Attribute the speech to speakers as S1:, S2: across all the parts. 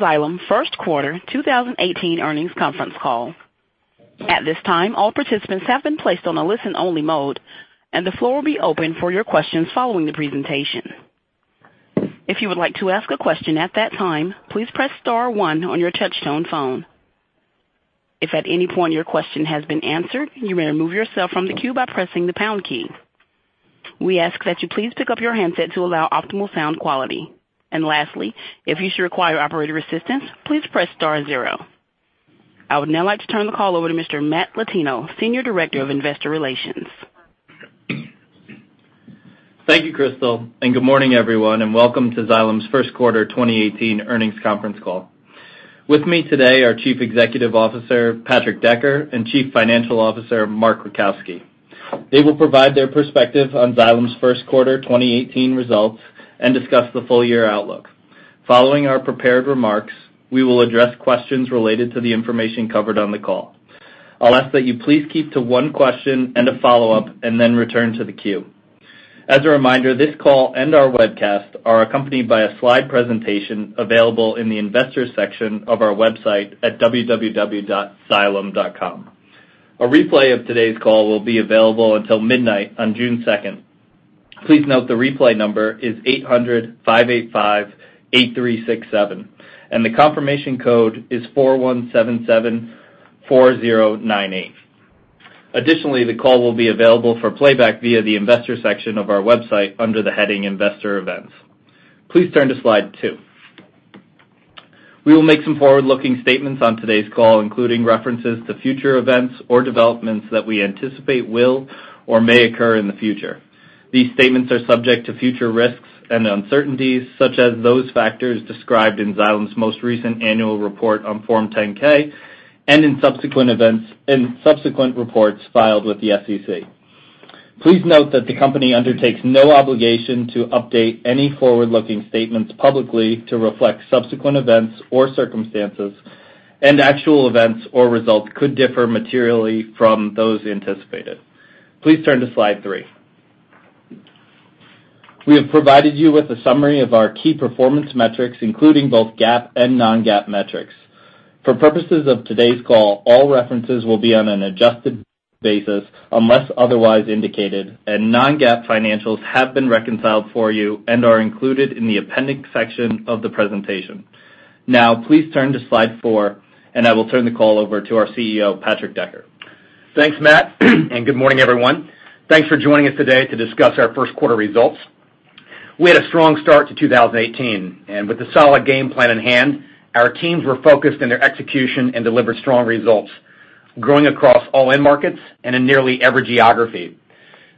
S1: Welcome to the Xylem first quarter 2018 earnings conference call. At this time, all participants have been placed on a listen-only mode, the floor will be open for your questions following the presentation. If you would like to ask a question at that time, please press star one on your touch-tone phone. If at any point your question has been answered, you may remove yourself from the queue by pressing the pound key. We ask that you please pick up your handset to allow optimal sound quality. Lastly, if you should require operator assistance, please press star zero. I would now like to turn the call over to Mr. Matthew Latino, Senior Director of Investor Relations.
S2: Thank you, Crystal, good morning, everyone, welcome to Xylem's first quarter 2018 earnings conference call. With me today are Chief Executive Officer, Patrick Decker, Chief Financial Officer, Mark Rajkowski. They will provide their perspective on Xylem's first quarter 2018 results discuss the full-year outlook. Following our prepared remarks, we will address questions related to the information covered on the call. I'll ask that you please keep to one question a follow-up, return to the queue. As a reminder, this call our webcast are accompanied by a slide presentation available in the Investors section of our website at www.xylem.com. A replay of today's call will be available until midnight on June 2nd. Please note the replay number is 800-585-8367, the confirmation code is 41774098. Additionally, the call will be available for playback via the Investors section of our website under the heading Investor Events. Please turn to Slide two. We will make some forward-looking statements on today's call, including references to future events or developments that we anticipate will or may occur in the future. These statements are subject to future risks uncertainties, such as those factors described in Xylem's most recent annual report on Form 10-K in subsequent reports filed with the SEC. Please note that the company undertakes no obligation to update any forward-looking statements publicly to reflect subsequent events or circumstances, actual events or results could differ materially from those anticipated. Please turn to Slide three. We have provided you with a summary of our key performance metrics, including both GAAP non-GAAP metrics. For purposes of today's call, all references will be on an adjusted basis unless otherwise indicated, non-GAAP financials have been reconciled for you are included in the appendix section of the presentation. Now, please turn to Slide four, I will turn the call over to our CEO, Patrick Decker.
S3: Thanks, Matt, and good morning, everyone. Thanks for joining us today to discuss our first quarter results. We had a strong start to 2018. With a solid game plan in hand, our teams were focused on their execution and delivered strong results, growing across all end markets and in nearly every geography.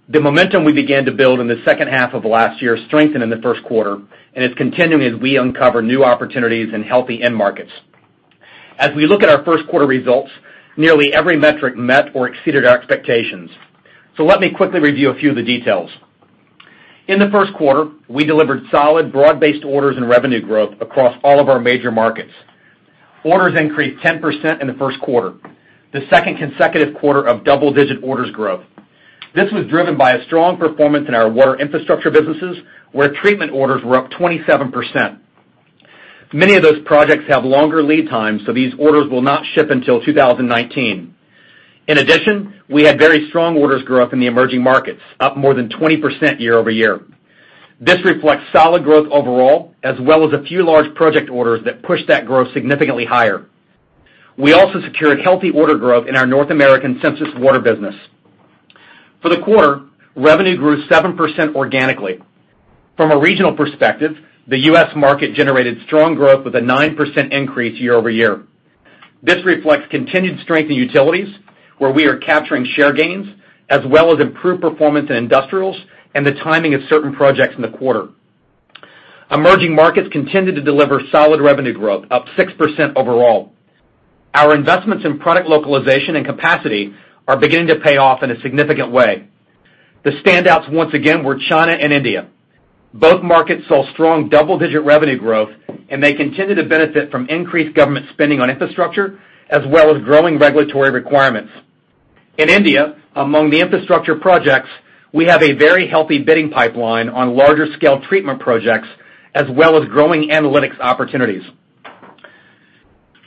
S3: The momentum we began to build in the second half of last year strengthened in the first quarter and is continuing as we uncover new opportunities in healthy end markets. As we look at our first quarter results, nearly every metric met or exceeded our expectations. Let me quickly review a few of the details. In the first quarter, we delivered solid, broad-based orders and revenue growth across all of our major markets. Orders increased 10% in the first quarter, the second consecutive quarter of double-digit orders growth. This was driven by a strong performance in our water infrastructure businesses, where treatment orders were up 27%. Many of those projects have longer lead times, so these orders will not ship until 2019. In addition, we had very strong orders grow up in the emerging markets, up more than 20% year-over-year. This reflects solid growth overall, as well as a few large project orders that pushed that growth significantly higher. We also secured healthy order growth in our North American Sensus water business. For the quarter, revenue grew 7% organically. From a regional perspective, the U.S. market generated strong growth with a 9% increase year-over-year. This reflects continued strength in utilities, where we are capturing share gains, as well as improved performance in industrials and the timing of certain projects in the quarter. Emerging markets continued to deliver solid revenue growth, up 6% overall. Our investments in product localization and capacity are beginning to pay off in a significant way. The standouts once again were China and India. Both markets saw strong double-digit revenue growth. They continue to benefit from increased government spending on infrastructure, as well as growing regulatory requirements. In India, among the infrastructure projects, we have a very healthy bidding pipeline on larger scale treatment projects, as well as growing analytics opportunities.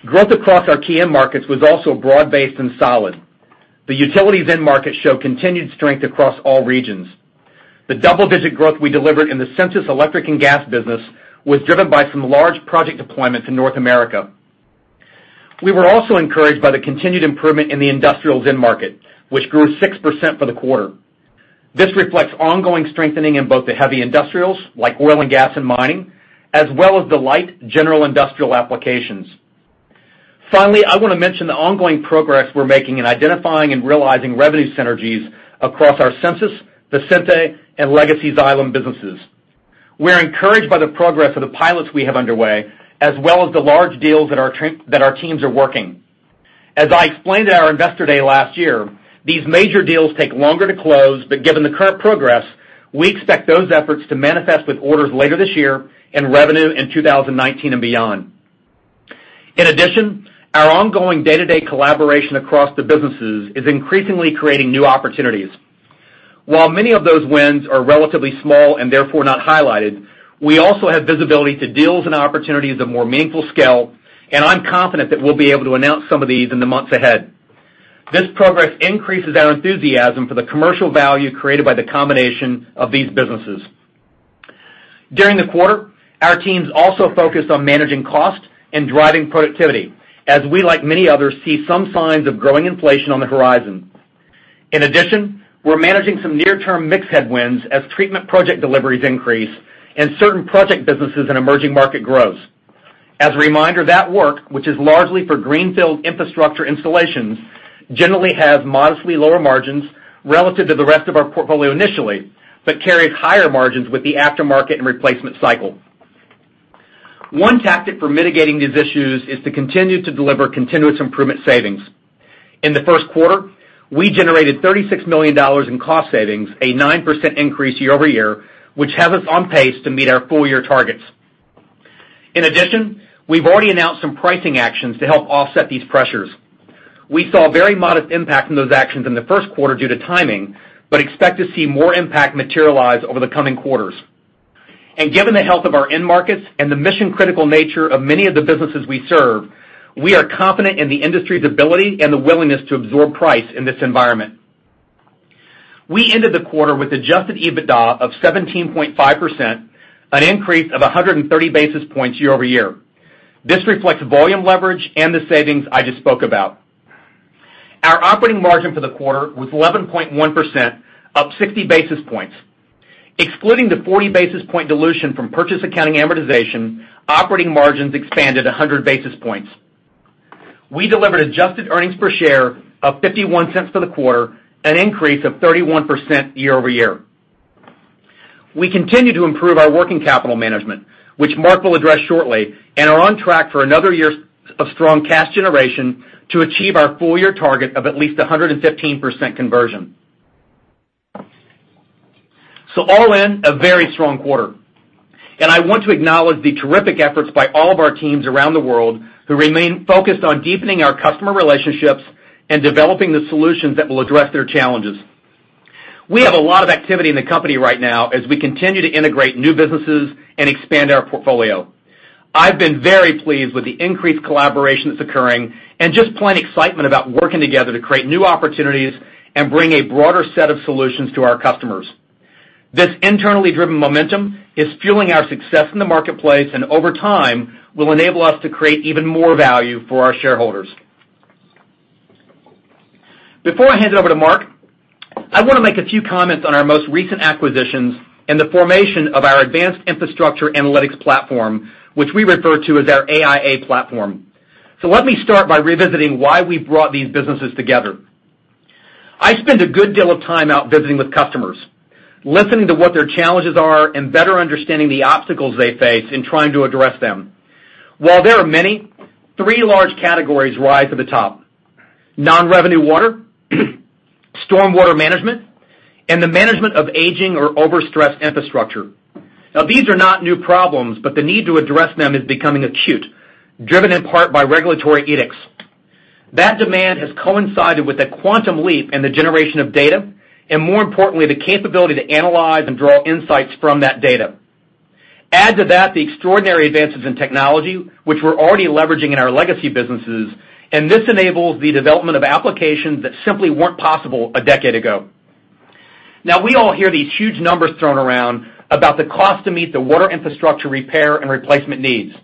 S3: Growth across our key end markets was also broad-based and solid. The utilities end market showed continued strength across all regions. The double-digit growth we delivered in the Sensus electric and gas business was driven by some large project deployments in North America. We were also encouraged by the continued improvement in the industrials end market, which grew 6% for the quarter. This reflects ongoing strengthening in both the heavy industrials, like oil and gas and mining, as well as the light general industrial applications. Finally, I want to mention the ongoing progress we're making in identifying and realizing revenue synergies across our Sensus, Visenti, and legacy Xylem businesses. We're encouraged by the progress of the pilots we have underway, as well as the large deals that our teams are working. As I explained at our Investor Day last year, these major deals take longer to close, but given the current progress, we expect those efforts to manifest with orders later this year and revenue in 2019 and beyond. In addition, our ongoing day-to-day collaboration across the businesses is increasingly creating new opportunities. While many of those wins are relatively small and therefore not highlighted, we also have visibility to deals and opportunities of more meaningful scale. I'm confident that we'll be able to announce some of these in the months ahead. This progress increases our enthusiasm for the commercial value created by the combination of these businesses. During the quarter, our teams also focused on managing cost and driving productivity, as we, like many others, see some signs of growing inflation on the horizon. In addition, we're managing some near-term mix headwinds as treatment project deliveries increase and certain project businesses in emerging market grows. As a reminder, that work, which is largely for greenfield infrastructure installations, generally has modestly lower margins relative to the rest of our portfolio initially, but carries higher margins with the aftermarket and replacement cycle. One tactic for mitigating these issues is to continue to deliver continuous improvement savings. In the first quarter, we generated $36 million in cost savings, a 9% increase year-over-year, which has us on pace to meet our full-year targets. In addition, we've already announced some pricing actions to help offset these pressures. We saw a very modest impact from those actions in the first quarter due to timing, but expect to see more impact materialize over the coming quarters. Given the health of our end markets and the mission-critical nature of many of the businesses we serve, we are confident in the industry's ability and the willingness to absorb price in this environment. We ended the quarter with adjusted EBITDA of 17.5%, an increase of 130 basis points year-over-year. This reflects volume leverage and the savings I just spoke about. Our operating margin for the quarter was 11.1%, up 60 basis points. Excluding the 40 basis point dilution from purchase accounting amortization, operating margins expanded 100 basis points. We delivered adjusted earnings per share of $0.51 for the quarter, an increase of 31% year-over-year. We continue to improve our working capital management, which Mark will address shortly, and are on track for another year of strong cash generation to achieve our full-year target of at least 115% conversion. All in, a very strong quarter. I want to acknowledge the terrific efforts by all of our teams around the world who remain focused on deepening our customer relationships and developing the solutions that will address their challenges. We have a lot of activity in the company right now as we continue to integrate new businesses and expand our portfolio. I've been very pleased with the increased collaboration that's occurring and just plain excitement about working together to create new opportunities and bring a broader set of solutions to our customers. This internally driven momentum is fueling our success in the marketplace, and over time, will enable us to create even more value for our shareholders. Before I hand it over to Mark, I want to make a few comments on our most recent acquisitions and the formation of our Advanced Infrastructure Analytics platform, which we refer to as our AIA platform. Let me start by revisiting why we brought these businesses together. I spend a good deal of time out visiting with customers, listening to what their challenges are, and better understanding the obstacles they face in trying to address them. While there are many, three large categories rise to the top: non-revenue water, storm water management, and the management of aging or overstressed infrastructure. Now, these are not new problems, but the need to address them is becoming acute, driven in part by regulatory edicts. That demand has coincided with a quantum leap in the generation of data, and more importantly, the capability to analyze and draw insights from that data. Add to that the extraordinary advances in technology, which we're already leveraging in our legacy businesses, this enables the development of applications that simply weren't possible a decade ago. Now, we all hear these huge numbers thrown around about the cost to meet the water infrastructure repair and replacement needs.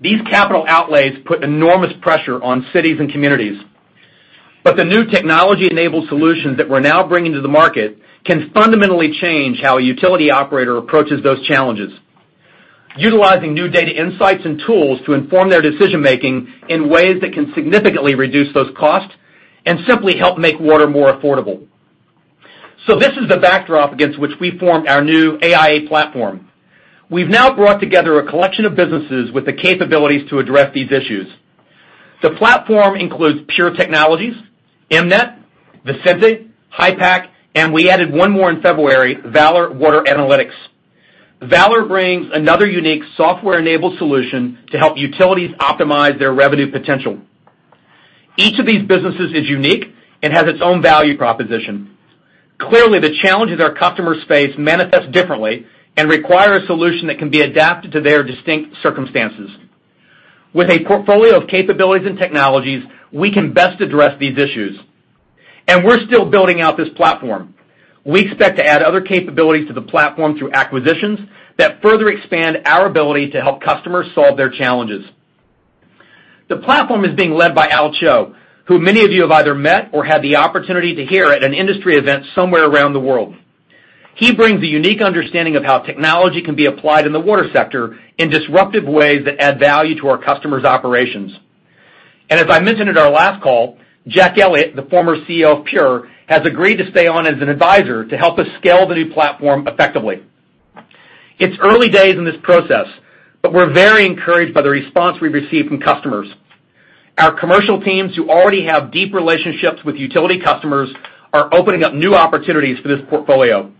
S3: These capital outlays put enormous pressure on cities and communities. The new technology-enabled solutions that we're now bringing to the market can fundamentally change how a utility operator approaches those challenges, utilizing new data insights and tools to inform their decision-making in ways that can significantly reduce those costs and simply help make water more affordable. This is the backdrop against which we formed our new AIA platform. We've now brought together a collection of businesses with the capabilities to address these issues. The platform includes Pure Technologies, EmNet, Visenti, HYPACK, and we added one more in February, Valor Water Analytics. Valor brings another unique software-enabled solution to help utilities optimize their revenue potential. Each of these businesses is unique and has its own value proposition. Clearly, the challenges our customers face manifest differently and require a solution that can be adapted to their distinct circumstances. With a portfolio of capabilities and technologies, we can best address these issues. We're still building out this platform. We expect to add other capabilities to the platform through acquisitions that further expand our ability to help customers solve their challenges. The platform is being led by Al Cho, who many of you have either met or had the opportunity to hear at an industry event somewhere around the world. He brings a unique understanding of how technology can be applied in the water sector in disruptive ways that add value to our customers' operations. As I mentioned at our last call, Jack Elliott, the former CEO of Pure, has agreed to stay on as an advisor to help us scale the new platform effectively. It's early days in this process, but we're very encouraged by the response we've received from customers. Our commercial teams, who already have deep relationships with utility customers, are opening up new opportunities for this portfolio.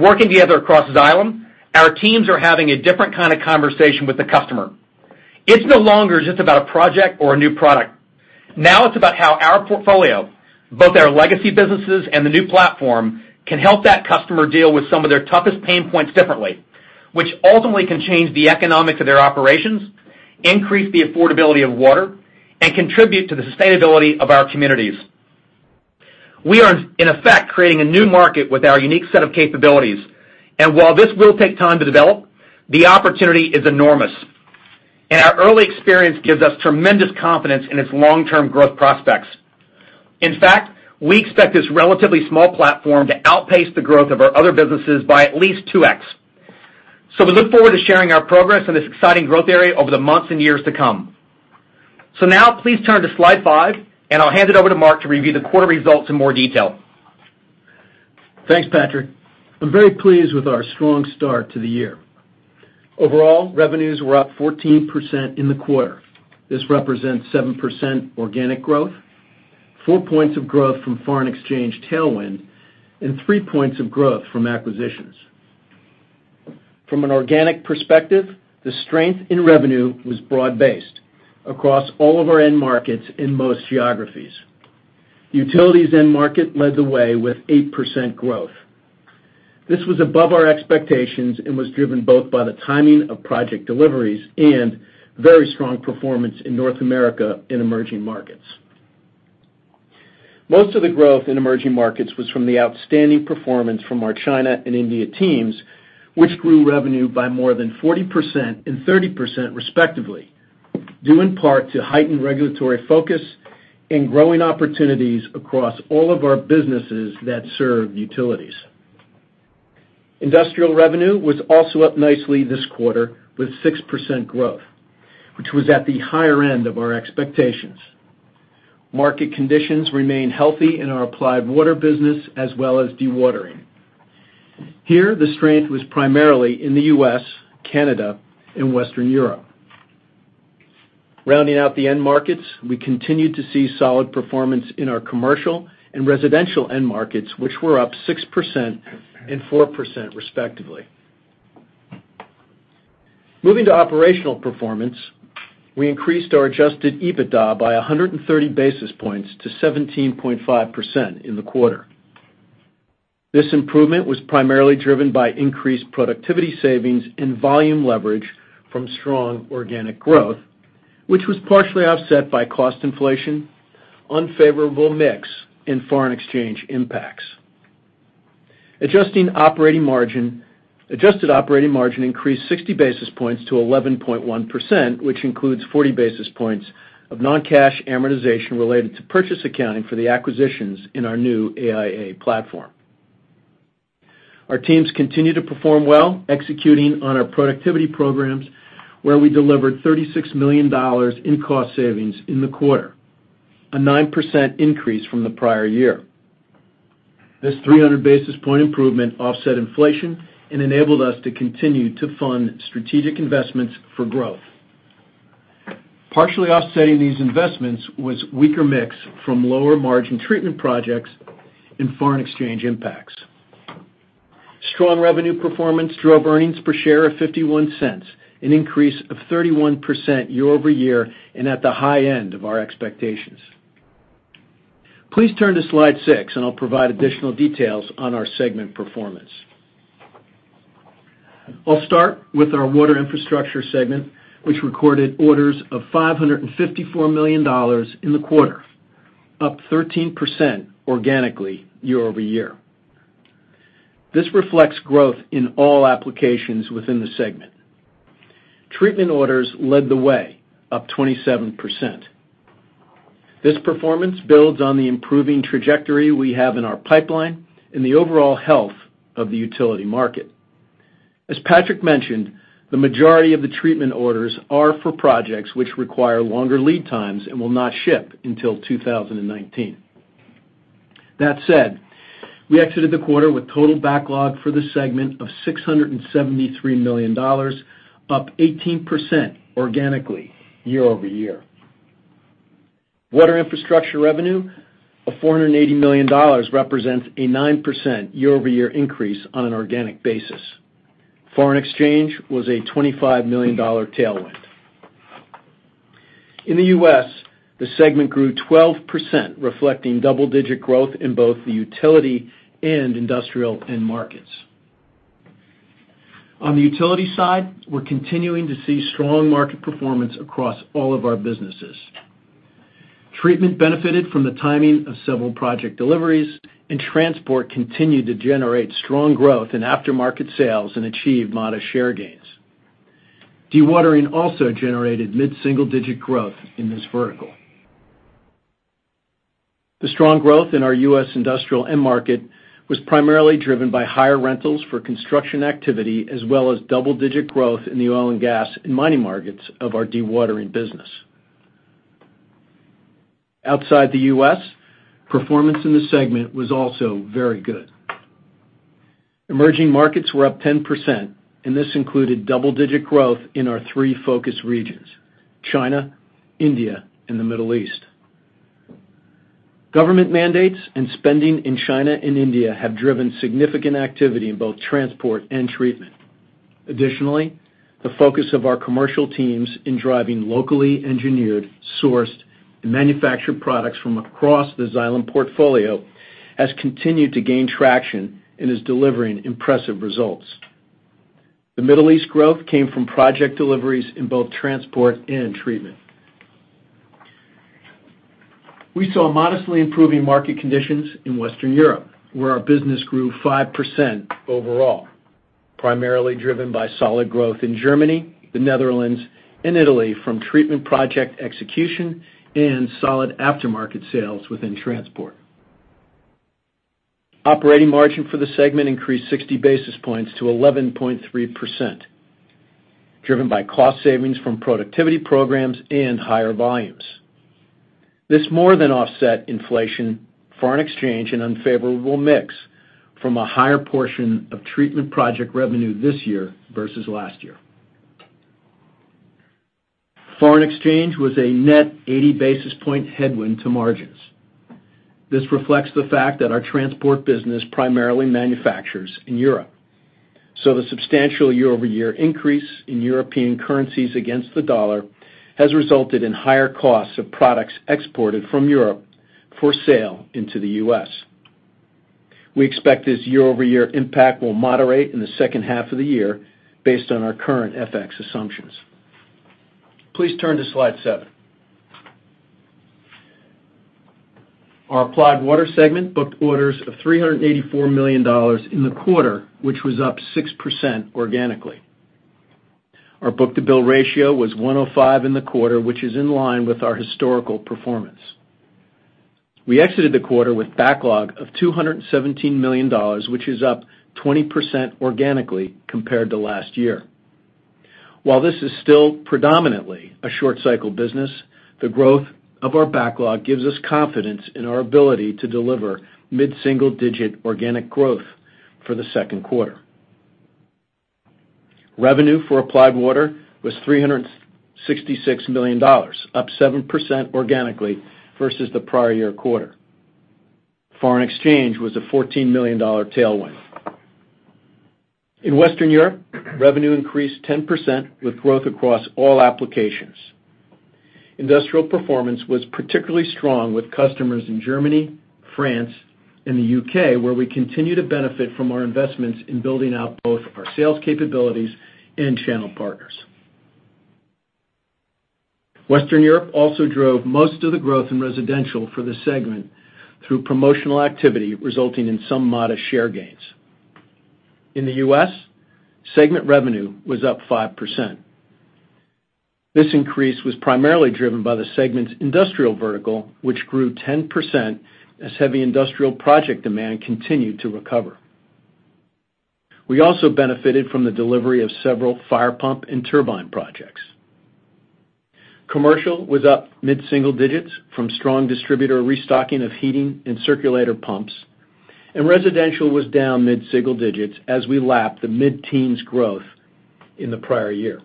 S3: Working together across Xylem, our teams are having a different kind of conversation with the customer. It's no longer just about a project or a new product. Now it's about how our portfolio, both our legacy businesses and the new platform, can help that customer deal with some of their toughest pain points differently, which ultimately can change the economics of their operations, increase the affordability of water, and contribute to the sustainability of our communities. We are, in effect, creating a new market with our unique set of capabilities. While this will take time to develop, the opportunity is enormous. Our early experience gives us tremendous confidence in its long-term growth prospects. In fact, we expect this relatively small platform to outpace the growth of our other businesses by at least 2x. We look forward to sharing our progress in this exciting growth area over the months and years to come. Now please turn to slide five, and I'll hand it over to Mark to review the quarter results in more detail.
S4: Thanks, Patrick. I'm very pleased with our strong start to the year. Overall, revenues were up 14% in the quarter. This represents 7% organic growth, 4 points of growth from foreign exchange tailwind, and 3 points of growth from acquisitions. From an organic perspective, the strength in revenue was broad-based across all of our end markets in most geographies. Utilities end market led the way with 8% growth. This was above our expectations and was driven both by the timing of project deliveries and very strong performance in the U.S. in emerging markets. Most of the growth in emerging markets was from the outstanding performance from our China and India teams, which grew revenue by more than 40% and 30%, respectively, due in part to heightened regulatory focus and growing opportunities across all of our businesses that serve utilities. Industrial revenue was also up nicely this quarter with 6% growth, which was at the higher end of our expectations. Market conditions remain healthy in our Applied Water business as well as dewatering. Here, the strength was primarily in the U.S., Canada, and Western Europe. Rounding out the end markets, we continued to see solid performance in our commercial and residential end markets, which were up 6% and 4%, respectively. Moving to operational performance, we increased our adjusted EBITDA by 130 basis points to 17.5% in the quarter. This improvement was primarily driven by increased productivity savings and volume leverage from strong organic growth, which was partially offset by cost inflation, unfavorable mix, and foreign exchange impacts. Adjusted operating margin increased 60 basis points to 11.1%, which includes 40 basis points of non-cash amortization related to purchase accounting for the acquisitions in our new AIA platform. Our teams continue to perform well, executing on our productivity programs, where we delivered $36 million in cost savings in the quarter, a 9% increase from the prior year. This 300 basis point improvement offset inflation and enabled us to continue to fund strategic investments for growth. Partially offsetting these investments was weaker mix from lower margin treatment projects and foreign exchange impacts. Strong revenue performance drove earnings per share of $0.51, an increase of 31% year-over-year, and at the high end of our expectations. Please turn to slide six, and I'll provide additional details on our segment performance. I'll start with our Water Infrastructure segment, which recorded orders of $554 million in the quarter, up 13% organically year-over-year. This reflects growth in all applications within the segment. Treatment orders led the way, up 27%. This performance builds on the improving trajectory we have in our pipeline and the overall health of the utility market. As Patrick mentioned, the majority of the treatment orders are for projects which require longer lead times and will not ship until 2019. That said, we exited the quarter with total backlog for the segment of $673 million, up 18% organically year-over-year. Water infrastructure revenue of $480 million represents a 9% year-over-year increase on an organic basis. Foreign exchange was a $25 million tailwind. In the U.S., the segment grew 12%, reflecting double-digit growth in both the utility and industrial end markets. On the utility side, we're continuing to see strong market performance across all of our businesses. Treatment benefited from the timing of several project deliveries, and transport continued to generate strong growth in aftermarket sales and achieve modest share gains. Dewatering also generated mid-single-digit growth in this vertical. The strong growth in our U.S. industrial end market was primarily driven by higher rentals for construction activity, as well as double-digit growth in the oil and gas and mining markets of our dewatering business. Outside the U.S., performance in this segment was also very good. Emerging markets were up 10%, and this included double-digit growth in our three focus regions: China, India, and the Middle East. Government mandates and spending in China and India have driven significant activity in both transport and treatment. Additionally, the focus of our commercial teams in driving locally engineered, sourced, and manufactured products from across the Xylem portfolio has continued to gain traction and is delivering impressive results. The Middle East growth came from project deliveries in both transport and treatment. We saw modestly improving market conditions in Western Europe, where our business grew 5% overall, primarily driven by solid growth in Germany, the Netherlands, and Italy from treatment project execution and solid aftermarket sales within transport. Operating margin for the segment increased 60 basis points to 11.3%, driven by cost savings from productivity programs and higher volumes. This more than offset inflation, foreign exchange, and unfavorable mix from a higher portion of treatment project revenue this year versus last year. Foreign exchange was a net 80 basis point headwind to margins. This reflects the fact that our transport business primarily manufactures in Europe. The substantial year-over-year increase in European currencies against the dollar has resulted in higher costs of products exported from Europe for sale into the U.S. We expect this year-over-year impact will moderate in the second half of the year based on our current FX assumptions. Please turn to Slide seven. Our Applied Water segment booked orders of $384 million in the quarter, which was up 6% organically. Our book-to-bill ratio was 105 in the quarter, which is in line with our historical performance. We exited the quarter with backlog of $217 million, which is up 20% organically compared to last year. While this is still predominantly a short-cycle business, the growth of our backlog gives us confidence in our ability to deliver mid-single-digit organic growth for the second quarter. Revenue for Applied Water was $366 million, up 7% organically versus the prior year quarter. Foreign exchange was a $14 million tailwind. In Western Europe, revenue increased 10% with growth across all applications. Industrial performance was particularly strong with customers in Germany, France, and the U.K., where we continue to benefit from our investments in building out both our sales capabilities and channel partners. Western Europe also drove most of the growth in residential for this segment through promotional activity, resulting in some modest share gains. In the U.S., segment revenue was up 5%. This increase was primarily driven by the segment's industrial vertical, which grew 10% as heavy industrial project demand continued to recover. We also benefited from the delivery of several fire pump and turbine projects. Commercial was up mid-single digits from strong distributor restocking of heating and circulator pumps, and residential was down mid-single digits as we lapped the mid-teens growth in the prior year.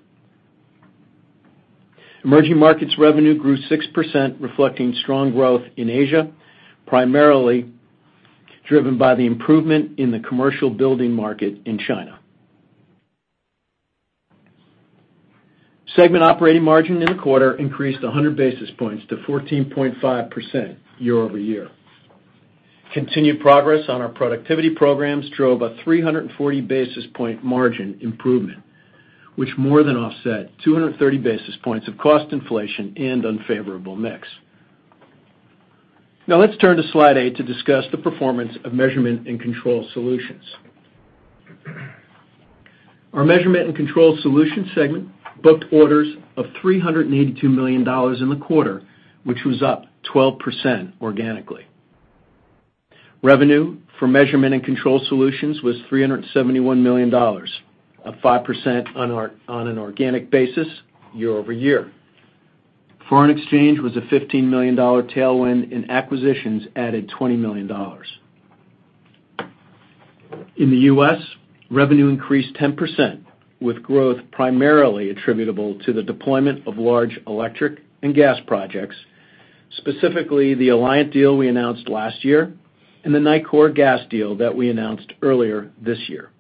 S4: Emerging markets revenue grew 6%, reflecting strong growth in Asia, primarily driven by the improvement in the commercial building market in China. Segment operating margin in the quarter increased 100 basis points to 14.5% year-over-year. Continued progress on our productivity programs drove a 340 basis point margin improvement, which more than offset 230 basis points of cost inflation and unfavorable mix. Now let's turn to Slide 8 to discuss the performance of Measurement and Control Solutions. Our Measurement and Control Solutions segment booked orders of $382 million in the quarter, which was up 12% organically. Revenue for Measurement and Control Solutions was $371 million, up 5% on an organic basis year-over-year. Foreign exchange was a $15 million tailwind, and acquisitions added $20 million. In the U.S., revenue increased 10%, with growth primarily attributable to the deployment of large electric and gas projects, specifically the Alliant deal we announced last year and the Nicor Gas deal that we announced earlier this year.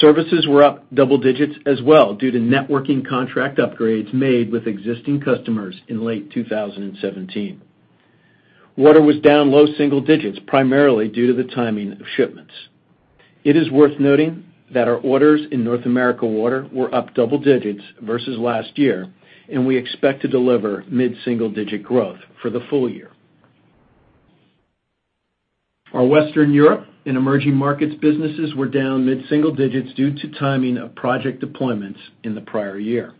S4: Services were up double digits as well due to networking contract upgrades made with existing customers in late 2017. Water was down low single digits, primarily due to the timing of shipments. It is worth noting that our orders in North America Water were up double digits versus last year, and we expect to deliver mid-single-digit growth for the full year. Our Western Europe and emerging markets businesses were down mid-single digits due to timing of project deployments in the prior year.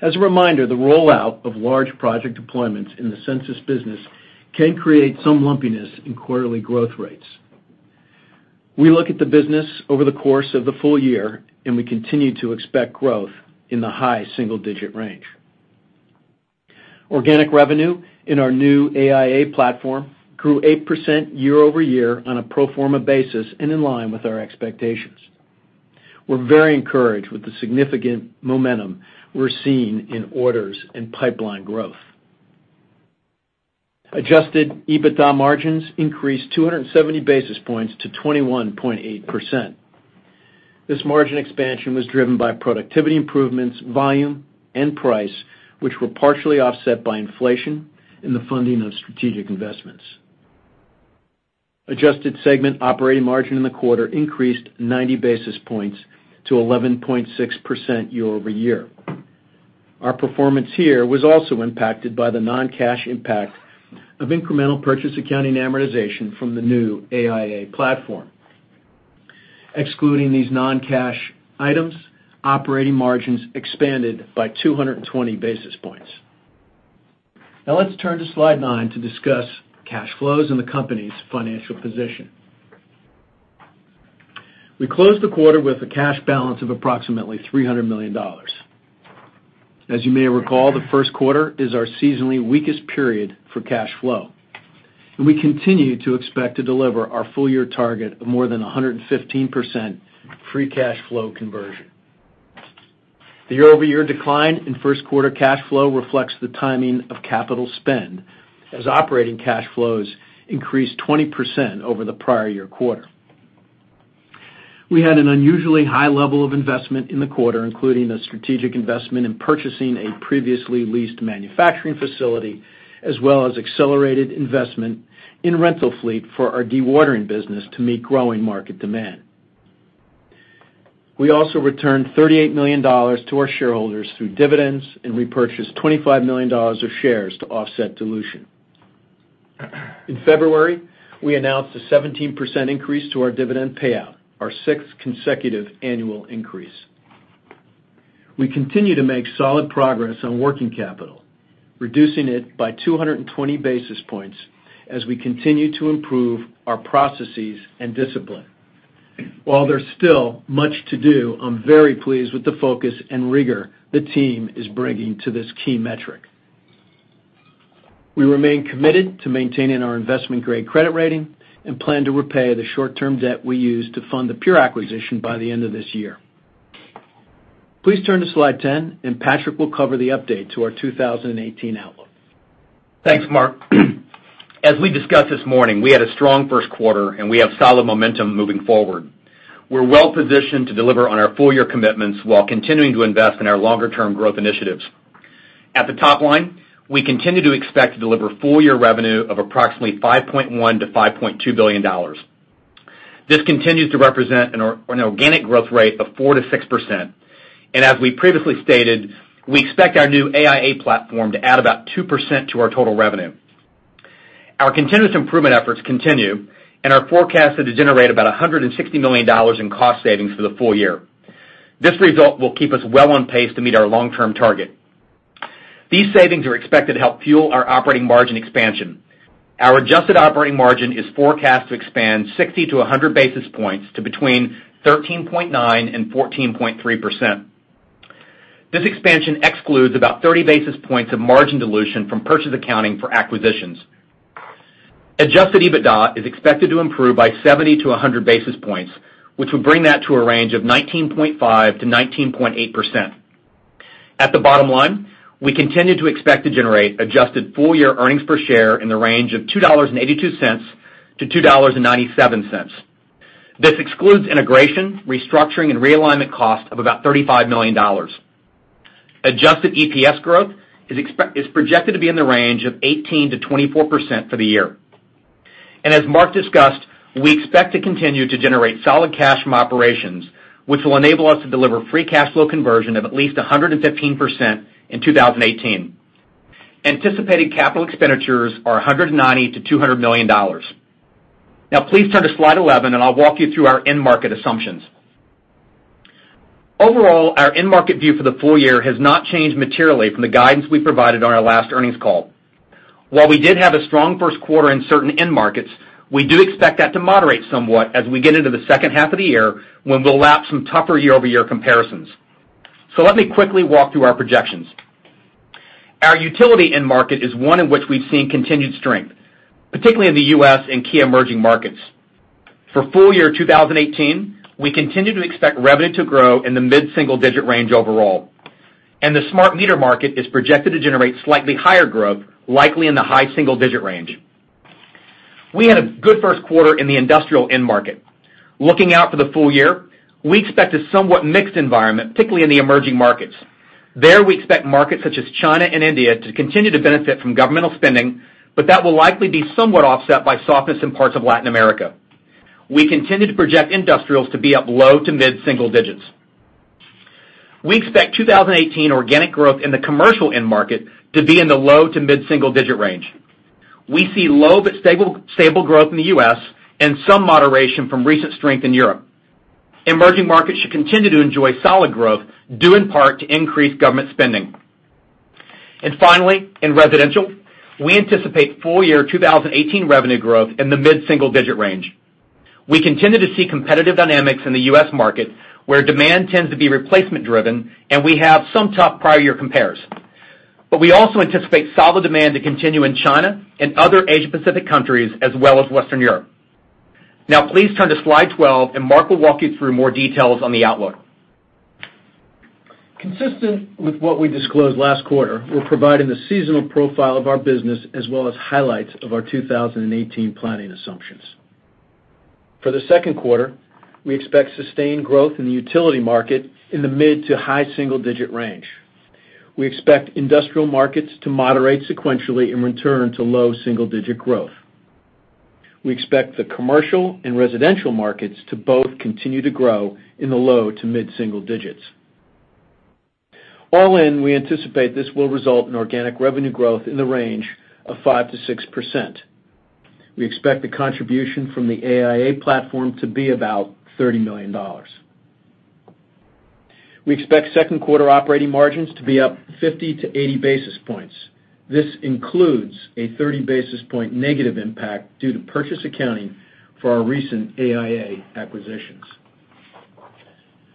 S4: As a reminder, the rollout of large project deployments in the Sensus business can create some lumpiness in quarterly growth rates. We look at the business over the course of the full year, and we continue to expect growth in the high single-digit range. Organic revenue in our new AIA platform grew 8% year-over-year on a pro forma basis and in line with our expectations. We're very encouraged with the significant momentum we're seeing in orders and pipeline growth. Adjusted EBITDA margins increased 270 basis points to 21.8%. This margin expansion was driven by productivity improvements, volume, and price, which were partially offset by inflation and the funding of strategic investments. Adjusted segment operating margin in the quarter increased 90 basis points to 11.6% year-over-year. Our performance here was also impacted by the non-cash impact of incremental purchase accounting amortization from the new AIA platform. Excluding these non-cash items, operating margins expanded by 220 basis points. Now let's turn to slide nine to discuss cash flows and the company's financial position. We closed the quarter with a cash balance of approximately $300 million. As you may recall, the first quarter is our seasonally weakest period for cash flow, and we continue to expect to deliver our full-year target of more than 115% free cash flow conversion. The year-over-year decline in first quarter cash flow reflects the timing of capital spend as operating cash flows increased 20% over the prior year quarter. We had an unusually high level of investment in the quarter, including a strategic investment in purchasing a previously leased manufacturing facility, as well as accelerated investment in rental fleet for our dewatering business to meet growing market demand. We also returned $38 million to our shareholders through dividends and repurchased $25 million of shares to offset dilution. In February, we announced a 17% increase to our dividend payout, our sixth consecutive annual increase. We continue to make solid progress on working capital, reducing it by 220 basis points as we continue to improve our processes and discipline. While there's still much to do, I'm very pleased with the focus and rigor the team is bringing to this key metric. We remain committed to maintaining our investment-grade credit rating and plan to repay the short-term debt we used to fund the Pure acquisition by the end of this year. Please turn to slide 10, Patrick will cover the update to our 2018 outlook.
S3: Thanks, Mark. As we discussed this morning, we had a strong first quarter, and we have solid momentum moving forward. We're well-positioned to deliver on our full-year commitments while continuing to invest in our longer-term growth initiatives. At the top line, we continue to expect to deliver full-year revenue of approximately $5.1 billion-$5.2 billion. This continues to represent an organic growth rate of 4%-6%, and as we previously stated, we expect our new AIA platform to add about 2% to our total revenue. Our continuous improvement efforts continue and are forecasted to generate about $160 million in cost savings for the full year. This result will keep us well on pace to meet our long-term target. These savings are expected to help fuel our operating margin expansion. Our adjusted operating margin is forecast to expand 60 to 100 basis points to between 13.9% and 14.3%. This expansion excludes about 30 basis points of margin dilution from purchase accounting for acquisitions. Adjusted EBITDA is expected to improve by 70 to 100 basis points, which would bring that to a range of 19.5%-19.8%. At the bottom line, we continue to expect to generate adjusted full-year earnings per share in the range of $2.82-$2.97. This excludes integration, restructuring, and realignment costs of about $35 million. Adjusted EPS growth is projected to be in the range of 18%-24% for the year. As Mark discussed, we expect to continue to generate solid cash from operations, which will enable us to deliver free cash flow conversion of at least 115% in 2018. Anticipated capital expenditures are $190 million-$200 million. Now please turn to slide 11, I'll walk you through our end market assumptions. Overall, our end market view for the full year has not changed materially from the guidance we provided on our last earnings call. While we did have a strong first quarter in certain end markets, we do expect that to moderate somewhat as we get into the second half of the year when we'll lap some tougher year-over-year comparisons. Let me quickly walk through our projections. Our utility end market is one in which we've seen continued strength, particularly in the U.S. and key emerging markets. For full year 2018, we continue to expect revenue to grow in the mid-single digit range overall, and the smart meter market is projected to generate slightly higher growth, likely in the high single digit range. We had a good first quarter in the industrial end market. Looking out for the full year, we expect a somewhat mixed environment, particularly in the emerging markets. There, we expect markets such as China and India to continue to benefit from governmental spending, but that will likely be somewhat offset by softness in parts of Latin America. We continue to project industrials to be up low to mid-single digits. We expect 2018 organic growth in the commercial end market to be in the low to mid-single digit range. We see low but stable growth in the U.S. and some moderation from recent strength in Europe. Emerging markets should continue to enjoy solid growth, due in part to increased government spending. Finally, in residential, we anticipate full-year 2018 revenue growth in the mid-single digit range. We continue to see competitive dynamics in the U.S. market, where demand tends to be replacement driven, and we have some tough prior year compares. We also anticipate solid demand to continue in China and other Asia Pacific countries, as well as Western Europe. Please turn to slide 12, Mark will walk you through more details on the outlook.
S4: Consistent with what we disclosed last quarter, we're providing the seasonal profile of our business as well as highlights of our 2018 planning assumptions. For the second quarter, we expect sustained growth in the utility market in the mid to high single-digit range. We expect industrial markets to moderate sequentially and return to low single-digit growth. We expect the commercial and residential markets to both continue to grow in the low to mid-single digits. All in, we anticipate this will result in organic revenue growth in the range of 5%-6%. We expect the contribution from the AIA platform to be about $30 million. We expect second quarter operating margins to be up 50-80 basis points. This includes a 30 basis point negative impact due to purchase accounting for our recent AIA acquisitions.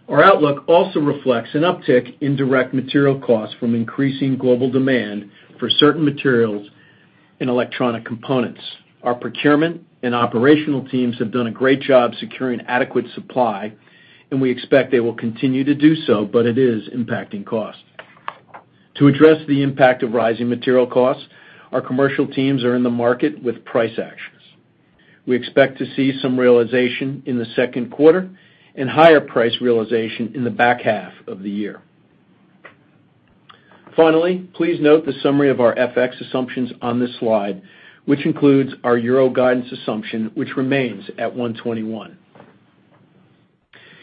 S4: Our outlook also reflects an uptick in direct material costs from increasing global demand for certain materials and electronic components. Our procurement and operational teams have done a great job securing adequate supply, and we expect they will continue to do so, but it is impacting cost. To address the impact of rising material costs, our commercial teams are in the market with price actions. We expect to see some realization in the second quarter and higher price realization in the back half of the year. Finally, please note the summary of our FX assumptions on this slide, which includes our EUR guidance assumption, which remains at 121.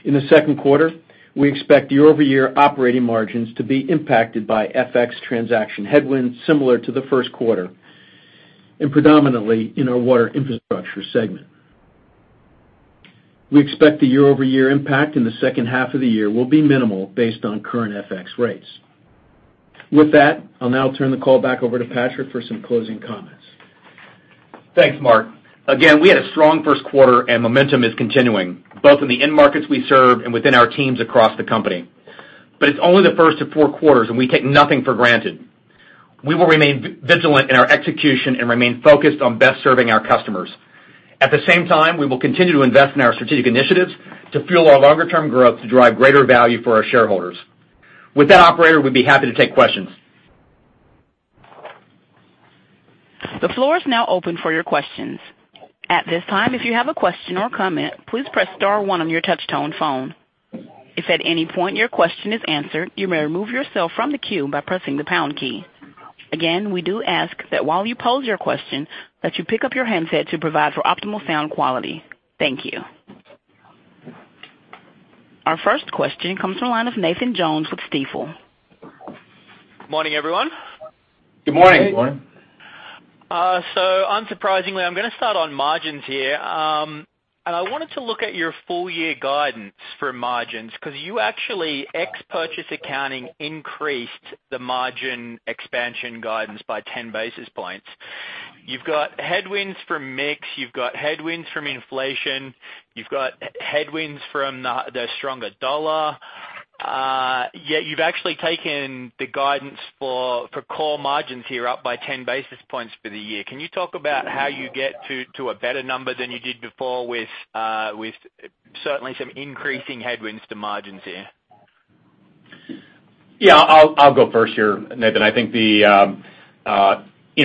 S4: In the second quarter, we expect year-over-year operating margins to be impacted by FX transaction headwinds similar to the first quarter and predominantly in our Water Infrastructure segment. We expect the year-over-year impact in the second half of the year will be minimal based on current FX rates. With that, I'll now turn the call back over to Patrick for some closing comments.
S3: Thanks, Mark. We had a strong first quarter and momentum is continuing both in the end markets we serve and within our teams across the company. It's only the first of four quarters, and we take nothing for granted. We will remain vigilant in our execution and remain focused on best serving our customers. At the same time, we will continue to invest in our strategic initiatives to fuel our longer-term growth to drive greater value for our shareholders. With that, operator, we'd be happy to take questions.
S1: The floor is now open for your questions. At this time, if you have a question or comment, please press star one on your touch-tone phone. If at any point your question is answered, you may remove yourself from the queue by pressing the pound key. We do ask that while you pose your question, that you pick up your handset to provide for optimal sound quality. Thank you. Our first question comes from the line of Nathan Jones with Stifel.
S5: Good morning, everyone.
S3: Good morning.
S4: Good morning.
S5: Unsurprisingly, I'm going to start on margins here. I wanted to look at your full year guidance for margins because you actually, ex purchase accounting, increased the margin expansion guidance by 10 basis points. You've got headwinds from mix, you've got headwinds from inflation, you've got headwinds from the stronger dollar, yet you've actually taken the guidance for core margins here up by 10 basis points for the year. Can you talk about how you get to a better number than you did before with certainly some increasing headwinds to margins here?
S3: Yeah. I'll go first here, Nathan. I think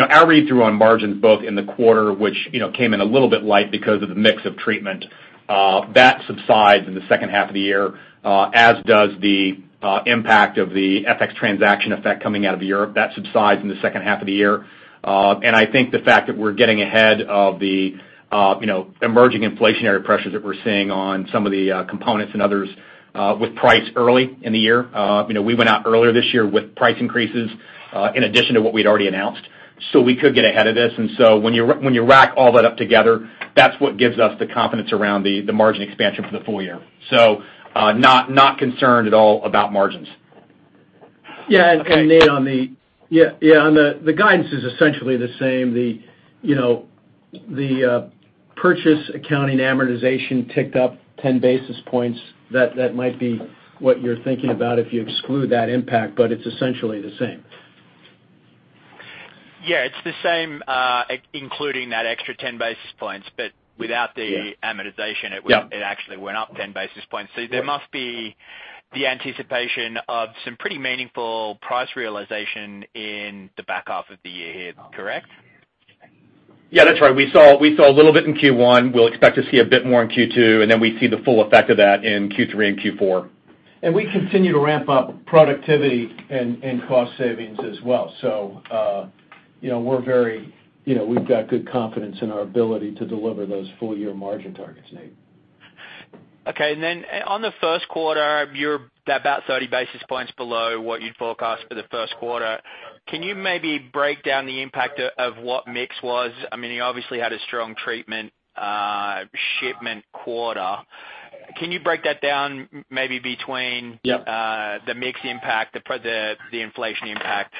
S3: our read through on margins both in the quarter, which came in a little bit light because of the mix of treatment, that subsides in the second half of the year, as does the impact of the FX transaction effect coming out of Europe. That subsides in the second half of the year. I think the fact that we're getting ahead of the emerging inflationary pressures that we're seeing on some of the components and others with price early in the year. We went out earlier this year with price increases, in addition to what we'd already announced, so we could get ahead of this. When you rack all that up together, that's what gives us the confidence around the margin expansion for the full year. Not concerned at all about margins.
S4: Yeah. Nate, the guidance is essentially the same. The purchase accounting amortization ticked up 10 basis points. That might be what you're thinking about if you exclude that impact, but it's essentially the same.
S5: Yeah. It's the same, including that extra 10 basis points.
S4: Yeah
S5: amortization-
S3: Yeah
S5: It actually went up 10 basis points.
S3: Yeah.
S5: There must be the anticipation of some pretty meaningful price realization in the back half of the year here, correct?
S3: Yeah, that's right. We saw a little bit in Q1. We'll expect to see a bit more in Q2, and then we see the full effect of that in Q3 and Q4.
S4: We continue to ramp up productivity and cost savings as well. We've got good confidence in our ability to deliver those full-year margin targets, Nate.
S5: Okay. On the first quarter, you're about 30 basis points below what you'd forecast for the first quarter. Can you maybe break down the impact of what mix was? You obviously had a strong treatment shipment quarter. Can you break that down maybe between-
S3: Yep
S5: the mix impact, the inflation impact?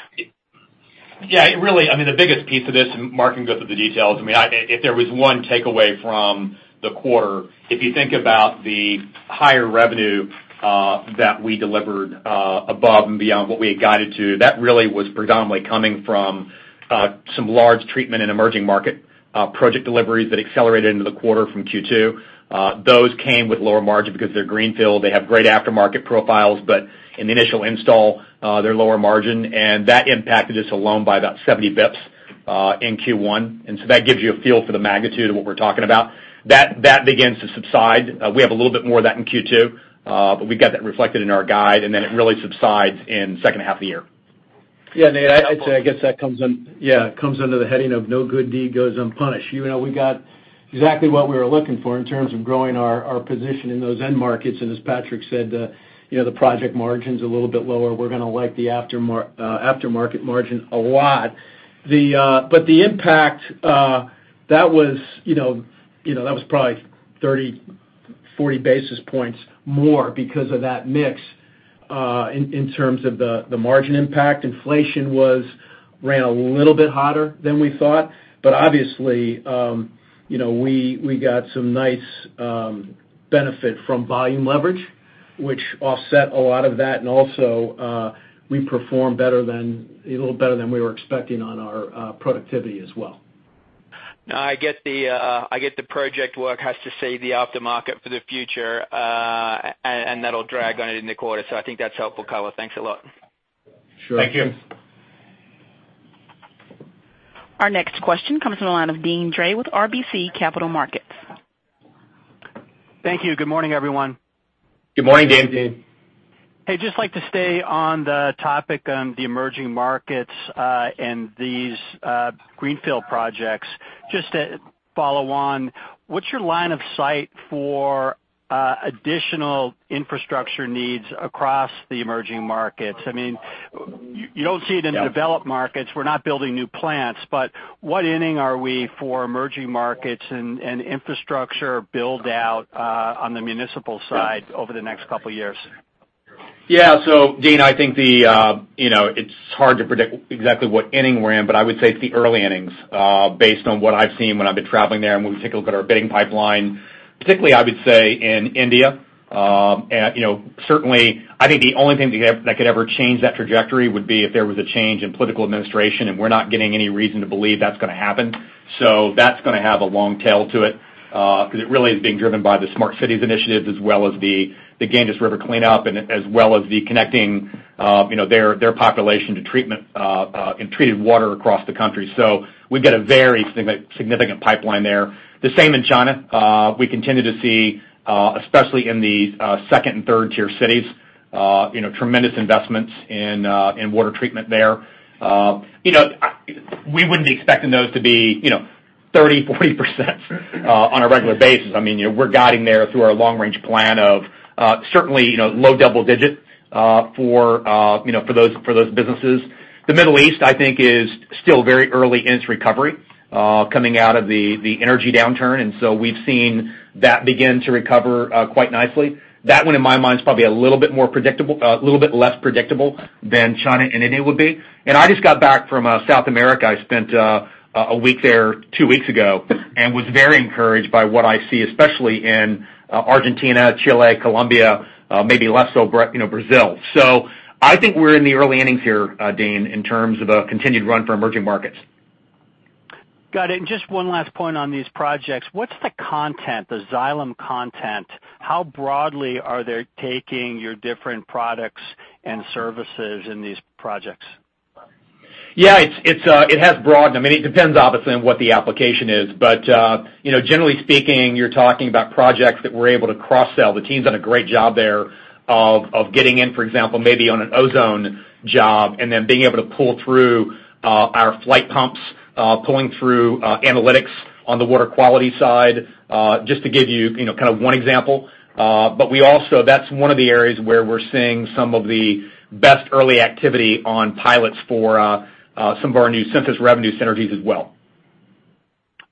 S3: Really, the biggest piece of this, Mark can go through the details. If there was one takeaway from the quarter, if you think about the higher revenue that we delivered above and beyond what we had guided to, that really was predominantly coming from some large treatment in emerging market project deliveries that accelerated into the quarter from Q2. Those came with lower margin because they're greenfield. They have great aftermarket profiles, but in the initial install, they're lower margin, and that impacted us alone by about 70 basis points in Q1. That gives you a feel for the magnitude of what we're talking about. That begins to subside. We have a little bit more of that in Q2. We've got that reflected in our guide, then it really subsides in the second half of the year.
S4: Nate, I'd say, I guess that comes under the heading of no good deed goes unpunished. We got exactly what we were looking for in terms of growing our position in those end markets, and as Patrick said, the project margin's a little bit lower. We're going to like the aftermarket margin a lot. The impact, that was probably 30, 40 basis points more because of that mix, in terms of the margin impact. Inflation ran a little bit hotter than we thought. Obviously, we got some nice benefit from volume leverage, which offset a lot of that, and also we performed a little better than we were expecting on our productivity as well.
S5: I get the project work has to cede the aftermarket for the future, and that'll drag on it in the quarter. I think that's helpful color. Thanks a lot.
S4: Sure.
S3: Thank you.
S1: Our next question comes from the line of Deane Dray with RBC Capital Markets.
S6: Thank you. Good morning, everyone.
S3: Good morning, Deane.
S6: Hey, just like to stay on the topic on the emerging markets, and these greenfield projects. Just to follow on, what's your line of sight for additional infrastructure needs across the emerging markets? You don't see it in the developed markets. We're not building new plants. What inning are we for emerging markets and infrastructure build-out on the municipal side over the next couple of years?
S3: Yeah. Deane, I think it's hard to predict exactly what inning we're in, but I would say it's the early innings, based on what I've seen when I've been traveling there and when we take a look at our bidding pipeline. Particularly, I would say in India, certainly, I think the only thing that could ever change that trajectory would be if there was a change in political administration, and we're not getting any reason to believe that's going to happen. That's going to have a long tail to it, because it really is being driven by the Smart Cities initiatives as well as the Ganges River cleanup, and as well as the connecting their population to treated water across the country. We've got a very significant pipeline there. The same in China. We continue to see, especially in the 2nd-tier and 3rd-tier cities, tremendous investments in water treatment there. We wouldn't be expecting those to be 30%-40% on a regular basis. We're guiding there through our long-range plan of certainly low double digit for those businesses. The Middle East, I think, is still very early in its recovery, coming out of the energy downturn. We've seen that begin to recover quite nicely. That one, in my mind, is probably a little bit less predictable than China and India would be. I just got back from South America. I spent a week there two weeks ago and was very encouraged by what I see, especially in Argentina, Chile, Colombia, maybe less so Brazil. I think we're in the early innings here, Dean, in terms of a continued run for emerging markets.
S6: Got it. Just one last point on these projects. What's the content, the Xylem content? How broadly are they taking your different products and services in these projects?
S3: Yeah, it has broadened. It depends, obviously, on what the application is. Generally speaking, you're talking about projects that we're able to cross-sell. The team's done a great job there of getting in, for example, maybe on an ozone job, then being able to pull through our Flygt pumps, pulling through analytics on the water quality side, just to give you one example. That's one of the areas where we're seeing some of the best early activity on pilots for some of our new Sensus revenue synergies as well.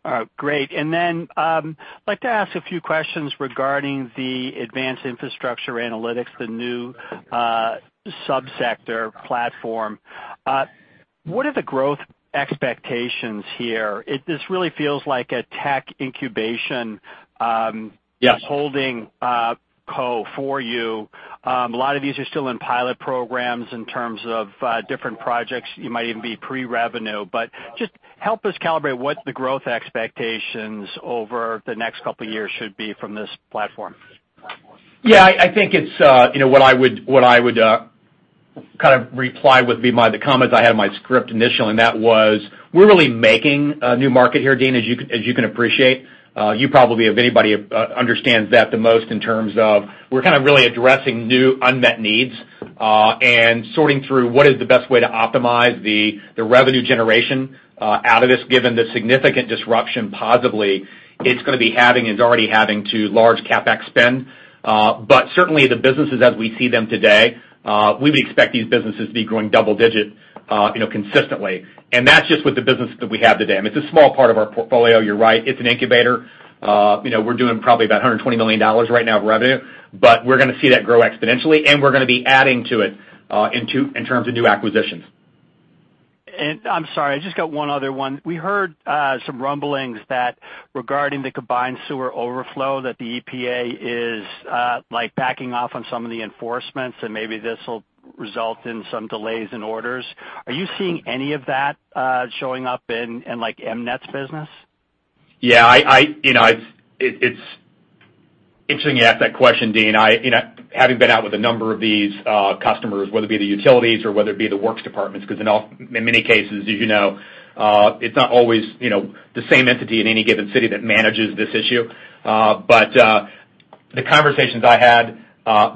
S6: All right, great. I'd like to ask a few questions regarding the Advanced Infrastructure Analytics, the new sub-sector platform. What are the growth expectations here? This really feels like a tech incubation-
S3: Yes
S6: holding co for you. A lot of these are still in pilot programs in terms of different projects. You might even be pre-revenue. Just help us calibrate what the growth expectations over the next couple of years should be from this platform.
S3: Yeah. What I would reply would be by the comments I had in my script initially, that was, we're really making a new market here, Deane, as you can appreciate. You probably, of anybody, understands that the most in terms of we're really addressing new unmet needs, sorting through what is the best way to optimize the revenue generation out of this, given the significant disruption positively it's going to be having and is already having to large CapEx spend. Certainly the businesses as we see them today, we would expect these businesses to be growing double digit consistently. That's just with the business that we have today. It's a small part of our portfolio, you're right. It's an incubator. We're doing probably about $120 million right now of revenue. We're going to see that grow exponentially, and we're going to be adding to it in terms of new acquisitions.
S6: I'm sorry, I just got one other one. We heard some rumblings that regarding the combined sewer overflow, that the EPA is backing off on some of the enforcements, and maybe this'll result in some delays in orders. Are you seeing any of that showing up in EmNet's business?
S3: It's interesting you ask that question, Deane. Having been out with a number of these customers, whether it be the utilities or whether it be the works departments, because in many cases, as you know it's not always the same entity in any given city that manages this issue. The conversations I had,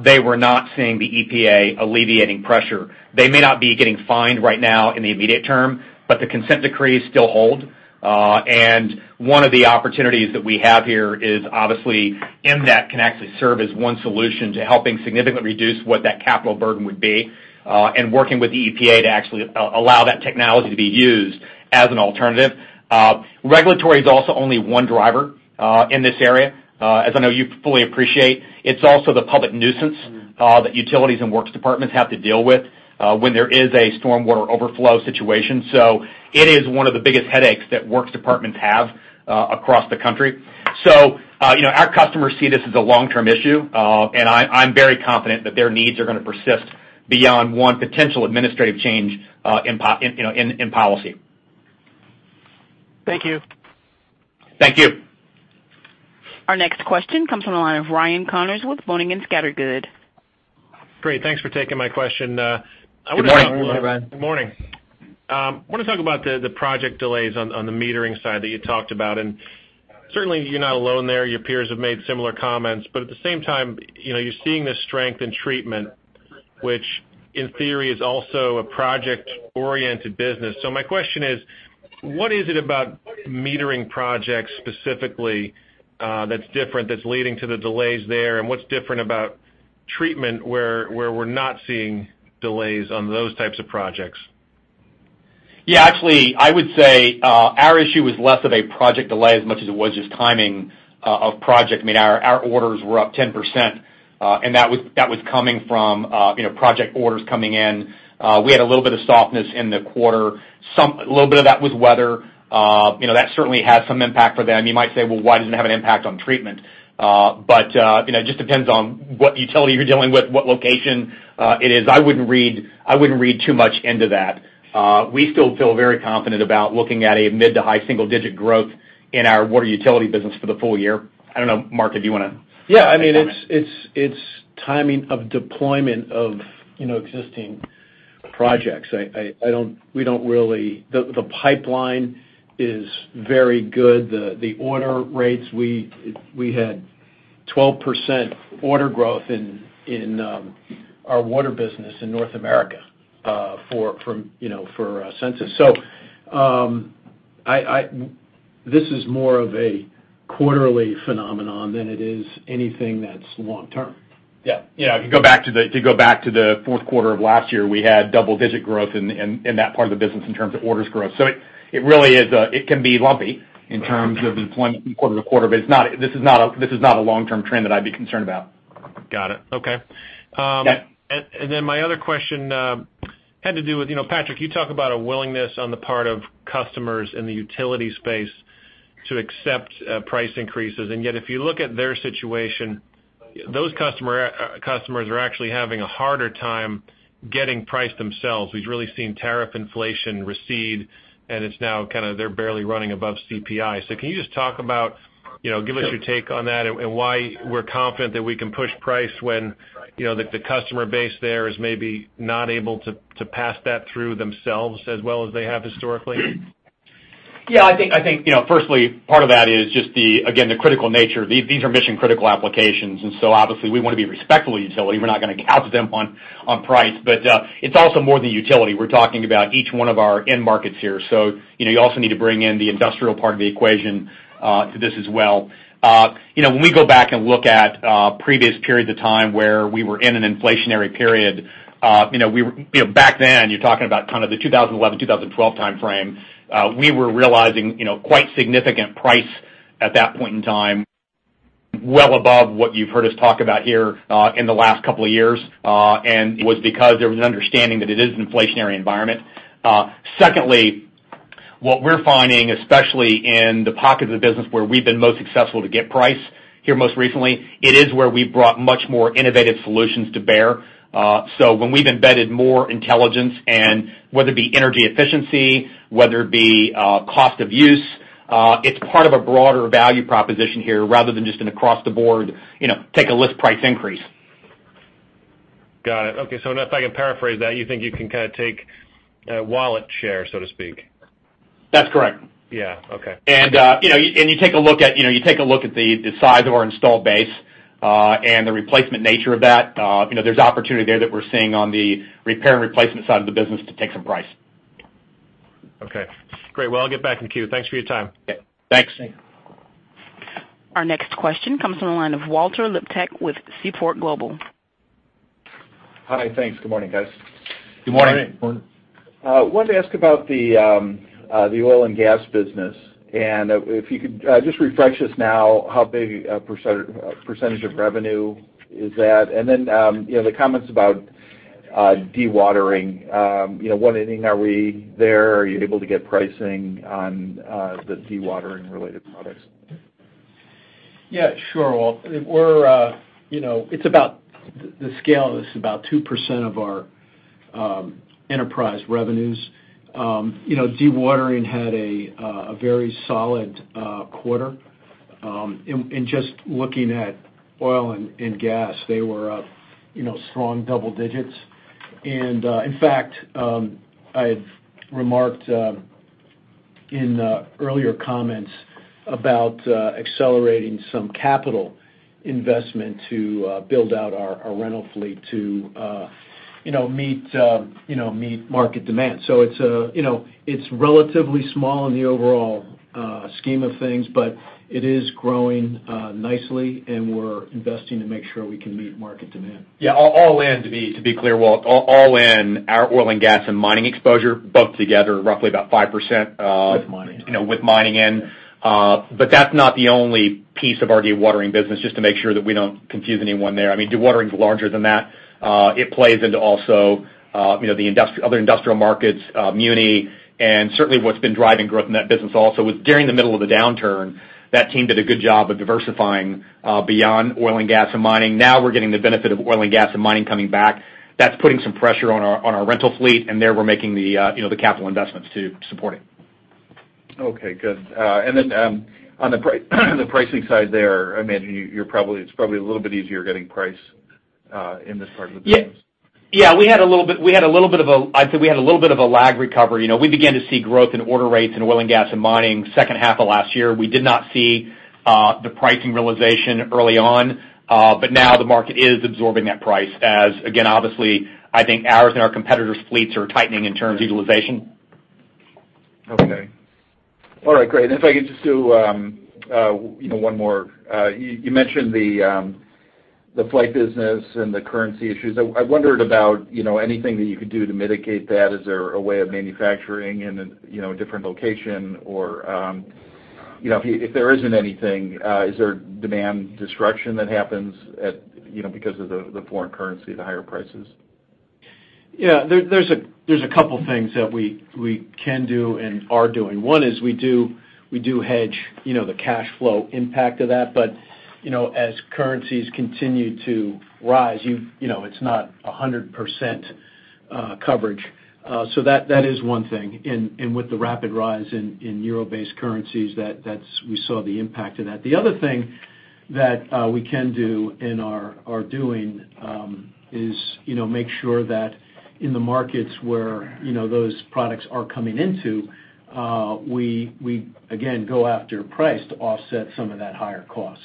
S3: they were not seeing the EPA alleviating pressure. They may not be getting fined right now in the immediate term, but the consent decrees still hold. One of the opportunities that we have here is, obviously, EmNet can actually serve as one solution to helping significantly reduce what that capital burden would be, and working with the EPA to actually allow that technology to be used as an alternative. Regulatory is also only one driver in this area. As I know you fully appreciate, it's also the public nuisance that utilities and works departments have to deal with when there is a stormwater overflow situation. It is one of the biggest headaches that works departments have across the country. Our customers see this as a long-term issue. I'm very confident that their needs are going to persist beyond one potential administrative change in policy.
S6: Thank you.
S3: Thank you.
S1: Our next question comes from the line of Ryan Connors with Boenning & Scattergood.
S7: Great. Thanks for taking my question. I want to talk about
S3: Good morning.
S7: Good morning. I want to talk about the project delays on the metering side that you talked about. Certainly, you're not alone there. Your peers have made similar comments, at the same time, you're seeing this strength in treatment, which in theory is also a project-oriented business. My question is, what is it about metering projects specifically that's different that's leading to the delays there, and what's different about treatment where we're not seeing delays on those types of projects?
S3: Actually, I would say our issue was less of a project delay as much as it was just timing of project. I mean, our orders were up 10%, that was coming from project orders coming in. We had a little bit of softness in the quarter. A little bit of that was weather. That certainly has some impact for them. You might say, "Well, why doesn't it have an impact on treatment?" It just depends on what utility you're dealing with, what location it is. I wouldn't read too much into that. We still feel very confident about looking at a mid to high single-digit growth in our water utility business for the full year. I don't know, Mark, if you want to.
S4: I mean, it's timing of deployment of existing projects. The pipeline is very good. The order rates, we had 12% order growth in our water business in North America for Sensus. This is more of a quarterly phenomenon than it is anything that's long term.
S3: Yeah. If you go back to the fourth quarter of last year, we had double-digit growth in that part of the business in terms of orders growth. It can be lumpy in terms of deployment from quarter to quarter, but this is not a long-term trend that I'd be concerned about.
S7: Got it. Okay.
S3: Yeah.
S7: My other question had to do with, Patrick, you talk about a willingness on the part of customers in the utility space to accept price increases, and yet if you look at their situation, those customers are actually having a harder time getting price themselves. We've really seen tariff inflation recede, and it's now they're barely running above CPI. Can you just talk about, give us your take on that and why we're confident that we can push price when the customer base there is maybe not able to pass that through themselves as well as they have historically?
S3: Yeah, I think firstly, part of that is just the, again, the critical nature. These are mission-critical applications, obviously we want to be respectful of utility. We're not going to couch them on price. It's also more than utility. We're talking about each one of our end markets here. You also need to bring in the industrial part of the equation to this as well. When we go back and look at previous periods of time where we were in an inflationary period, back then, you're talking about kind of the 2011, 2012 timeframe, we were realizing quite significant price at that point in time, well above what you've heard us talk about here in the last couple of years. It was because there was an understanding that it is an inflationary environment. Secondly, what we're finding, especially in the pockets of the business where we've been most successful to get price here most recently, it is where we've brought much more innovative solutions to bear. When we've embedded more intelligence and whether it be energy efficiency, whether it be cost of use, it's part of a broader value proposition here rather than just an across the board, take a list price increase.
S7: Got it. Okay. If I can paraphrase that, you think you can kind of take wallet share, so to speak.
S3: That's correct.
S7: Yeah. Okay.
S3: You take a look at the size of our install base, and the replacement nature of that, there's opportunity there that we're seeing on the repair and replacement side of the business to take some price.
S7: Okay, great. I'll get back in queue. Thanks for your time.
S3: Okay. Thanks.
S6: Thanks.
S1: Our next question comes from the line of Walter Liptak with Seaport Global.
S8: Hi, thanks. Good morning, guys.
S3: Good morning.
S4: Good morning.
S8: Wanted to ask about the oil and gas business, and if you could just refresh us now, how big a percentage of revenue is that? The comments about dewatering, what inning are we there? Are you able to get pricing on the dewatering related products?
S4: Yeah, sure, Walt. The scale is about 2% of our enterprise revenues. Dewatering had a very solid quarter. In just looking at oil and gas, they were up strong double digits. In fact, I had remarked in earlier comments about accelerating some capital investment to build out our rental fleet to meet market demand. It's relatively small in the overall scheme of things, but it is growing nicely, and we're investing to make sure we can meet market demand.
S3: Yeah. All in, to be clear, Walt. All in, our oil and gas and mining exposure, both together, are roughly about 5%.
S4: With mining.
S3: With mining in. That's not the only piece of our dewatering business, just to make sure that we don't confuse anyone there. Dewatering's larger than that. It plays into also other industrial markets, muni, and certainly what's been driving growth in that business also was during the middle of the downturn, that team did a good job of diversifying beyond oil and gas and mining. We're getting the benefit of oil and gas and mining coming back. That's putting some pressure on our rental fleet, and there we're making the capital investments to support it.
S8: Okay, good. On the pricing side there, I imagine it's probably a little bit easier getting price in this part of the business.
S3: Yeah. I'd say we had a little bit of a lag recovery. We began to see growth in order rates in oil and gas and mining second half of last year. We did not see the pricing realization early on. Now the market is absorbing that price as, again, obviously, I think ours and our competitors' fleets are tightening in terms of utilization.
S8: Okay. All right, great. If I could just do one more. You mentioned the Flygt business and the currency issues. I wondered about anything that you could do to mitigate that. Is there a way of manufacturing in a different location? If there isn't anything, is there demand destruction that happens because of the foreign currency, the higher prices?
S4: Yeah. There's a couple things that we can do and are doing. One is we do hedge the cash flow impact of that. As currencies continue to rise, it's not 100% coverage. That is one thing. With the rapid rise in euro-based currencies, we saw the impact of that. The other thing that we can do and are doing is make sure that in the markets where those products are coming into, we again go after price to offset some of that higher cost.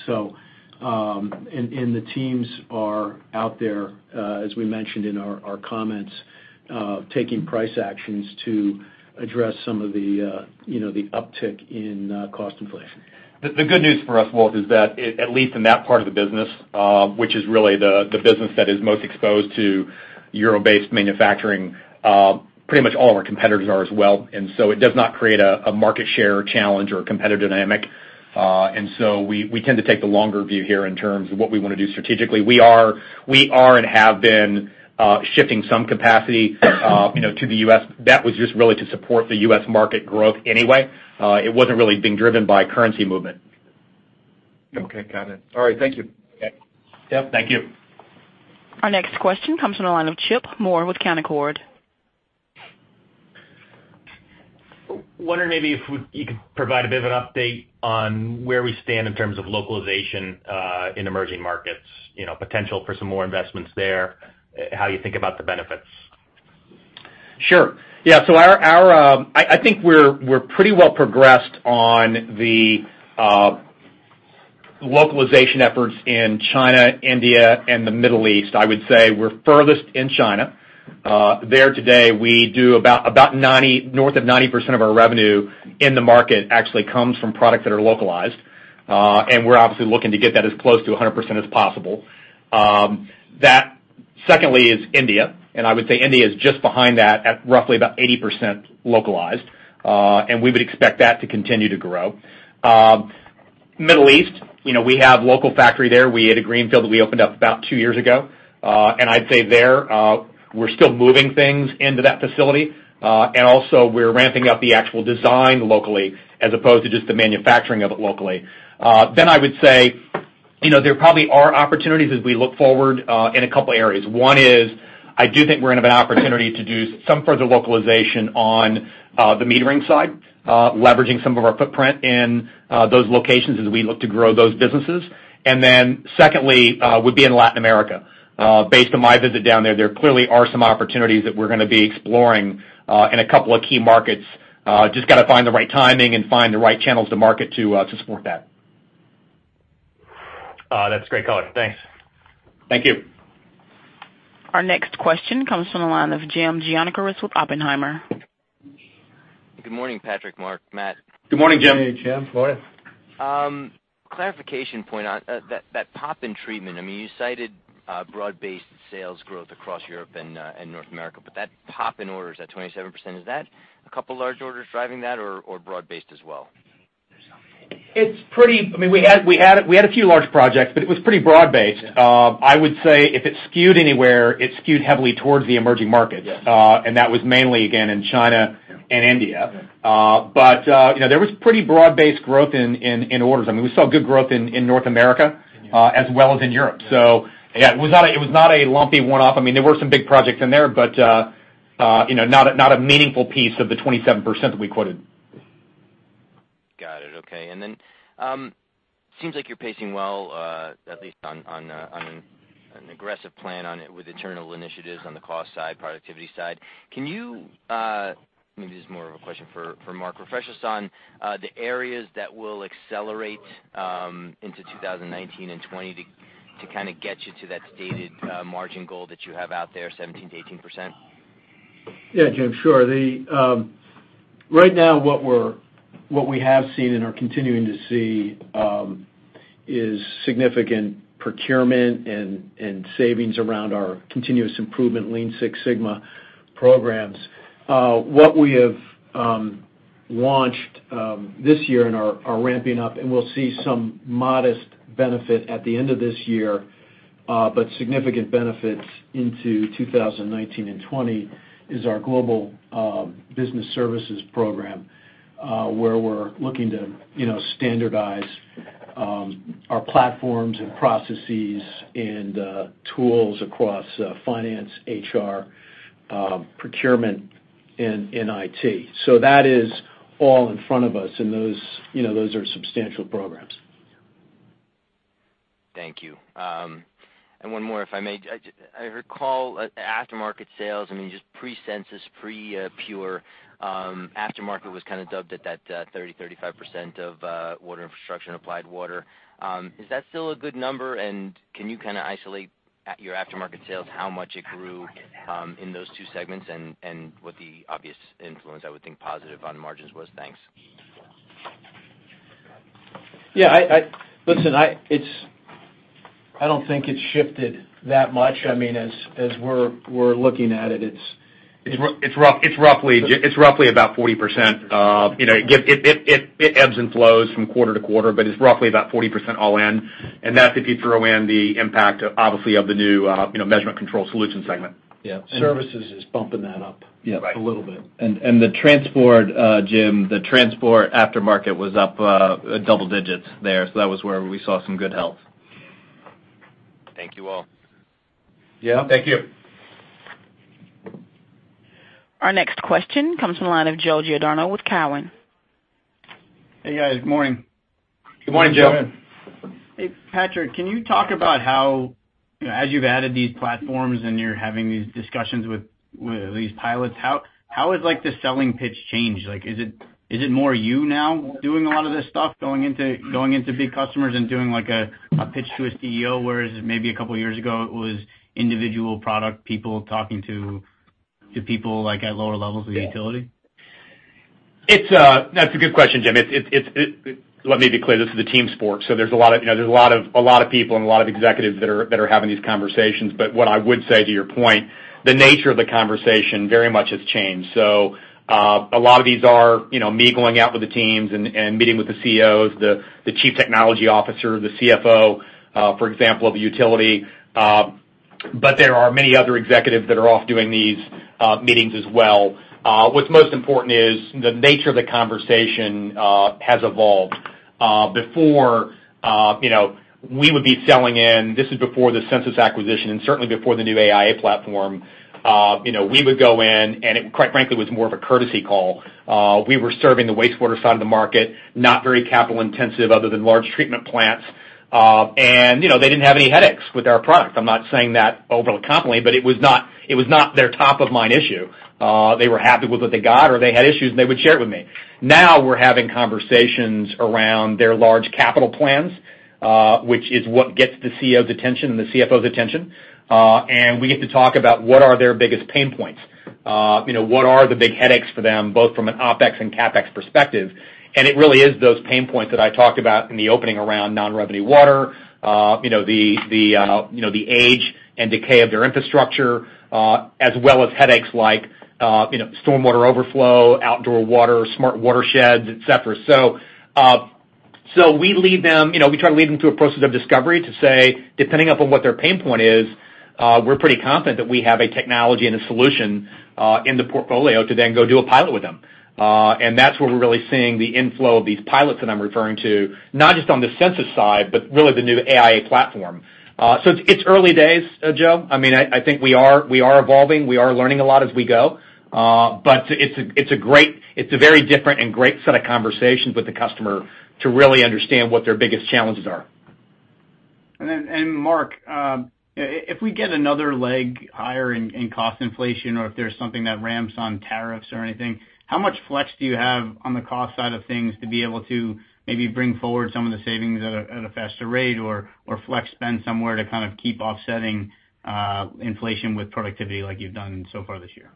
S4: The teams are out there, as we mentioned in our comments, taking price actions to address some of the uptick in cost inflation.
S3: The good news for us, Walt, is that at least in that part of the business, which is really the business that is most exposed to euro-based manufacturing, pretty much all of our competitors are as well. It does not create a market share challenge or a competitive dynamic. We tend to take the longer view here in terms of what we want to do strategically. We are and have been shifting some capacity to the U.S. That was just really to support the U.S. market growth anyway. It wasn't really being driven by currency movement.
S8: Okay, got it. All right, thank you.
S3: Okay.
S4: Yeah, thank you.
S1: Our next question comes from the line of Chip Moore with Canaccord.
S9: Wondering maybe if you could provide a bit of an update on where we stand in terms of localization in emerging markets, potential for some more investments there, how you think about the benefits.
S3: Sure. Yeah. I think we're pretty well progressed on the localization efforts in China, India, and the Middle East. I would say we're furthest in China. There today, we do about north of 90% of our revenue in the market actually comes from products that are localized. We're obviously looking to get that as close to 100% as possible. That secondly is India, and I would say India is just behind that at roughly about 80% localized. We would expect that to continue to grow. Middle East, we have local factory there. We had a greenfield that we opened up about two years ago. I'd say there, we're still moving things into that facility. Also we're ramping up the actual design locally as opposed to just the manufacturing of it locally. I would say there probably are opportunities as we look forward in a couple areas. One is I do think we're going to have an opportunity to do some further localization on the metering side, leveraging some of our footprint in those locations as we look to grow those businesses. Secondly would be in Latin America. Based on my visit down there clearly are some opportunities that we're going to be exploring in a couple of key markets. Just got to find the right timing and find the right channels to market to support that.
S9: That's great color. Thanks.
S3: Thank you.
S1: Our next question comes from the line of Jim Giannakaris with Oppenheimer.
S10: Good morning, Patrick, Mark, Matt.
S3: Good morning, Jim.
S4: Good morning, Jim. How are you?
S10: Clarification point on that pop in treatment. You cited broad-based sales growth across Europe and North America, but that pop in orders, that 27%, is that a couple large orders driving that or broad-based as well?
S3: We had a few large projects, but it was pretty broad-based.
S10: Yeah.
S3: I would say if it skewed anywhere, it skewed heavily towards the emerging markets.
S10: Yes.
S3: That was mainly, again, in China and India.
S10: Okay.
S3: There was pretty broad-based growth in orders. We saw good growth in North America as well as in Europe.
S10: Yeah.
S3: Yeah, it was not a lumpy one-off. There were some big projects in there, but not a meaningful piece of the 27% that we quoted.
S10: Got it. Okay. It seems like you're pacing well at least on an aggressive plan on it with internal initiatives on the cost side, productivity side. Maybe this is more of a question for Mark. Refresh us on the areas that will accelerate into 2019 and 2020 to get you to that stated margin goal that you have out there, 17%-18%.
S4: Yeah, Jim, sure. Right now what we have seen and are continuing to see is significant procurement and savings around our continuous improvement Lean Six Sigma programs. What we have launched this year and are ramping up and we'll see some modest benefit at the end of this year, but significant benefits into 2019 and 2020 is our global business services program where we're looking to standardize our platforms and processes and tools across finance, HR, procurement, and IT. That is all in front of us, and those are substantial programs.
S10: Thank you. One more, if I may. I recall aftermarket sales, just pre-Sensus, pre-PURE, aftermarket was kind of dubbed at that 30%-35% of water infrastructure and Applied Water. Is that still a good number? Can you kind of isolate your aftermarket sales, how much it grew in those two segments and what the obvious influence, I would think, positive on margins was? Thanks.
S4: Listen, I don't think it's shifted that much. As we're looking at it's.
S3: It's roughly about 40%. It ebbs and flows from quarter to quarter, but it's roughly about 40% all in, and that's if you throw in the impact, obviously, of the new Measurement Control Solutions segment.
S4: Yeah. Services is bumping that up
S3: Right
S4: a little bit.
S11: The transport aftermarket was up double digits there, so that was where we saw some good health.
S10: Thank you all.
S4: Yeah.
S3: Thank you.
S1: Our next question comes from the line of Joe Giordano with Cowen.
S12: Hey, guys. Morning.
S3: Good morning, Joe.
S11: Good morning.
S12: Hey, Patrick, can you talk about how as you've added these platforms and you're having these discussions with these pilots, how has the selling pitch changed? Is it more you now doing a lot of this stuff, going into big customers and doing a pitch to a CEO, whereas maybe a couple of years ago it was individual product people talking to people at lower levels of the utility?
S3: That's a good question, Joe. Let me be clear, this is a team sport, there's a lot of people and a lot of executives that are having these conversations. What I would say to your point, the nature of the conversation very much has changed. A lot of these are me going out with the teams and meeting with the CEOs, the Chief Technology Officer, the CFO, for example, of a utility. There are many other executives that are off doing these meetings as well. What's most important is the nature of the conversation has evolved. Before, we would be selling in, this is before the Sensus acquisition and certainly before the new AIA platform. We would go in and it, quite frankly, was more of a courtesy call. We were serving the wastewater side of the market, not very capital intensive other than large treatment plants. They didn't have any headaches with our product. I'm not saying that overly compliment, it was not their top of mind issue. They were happy with what they got, or if they had issues they would share it with me. Now we're having conversations around their large capital plans, which is what gets the CEO's attention and the CFO's attention. We get to talk about what are their biggest pain points. What are the big headaches for them, both from an OpEx and CapEx perspective? It really is those pain points that I talked about in the opening around non-revenue water, the age and decay of their infrastructure, as well as headaches like storm water overflow, outdoor water, smart watersheds, et cetera. We try to lead them through a process of discovery to say, depending upon what their pain point is, we're pretty confident that we have a technology and a solution in the portfolio to then go do a pilot with them. That's where we're really seeing the inflow of these pilots that I'm referring to, not just on the Sensus side, but really the new AIA platform. It's early days, Joe. I think we are evolving. We are learning a lot as we go. It's a very different and great set of conversations with the customer to really understand what their biggest challenges are.
S12: Mark, if we get another leg higher in cost inflation or if there's something that ramps on tariffs or anything, how much flex do you have on the cost side of things to be able to maybe bring forward some of the savings at a faster rate or flex spend somewhere to kind of keep offsetting inflation with productivity like you've done so far this year?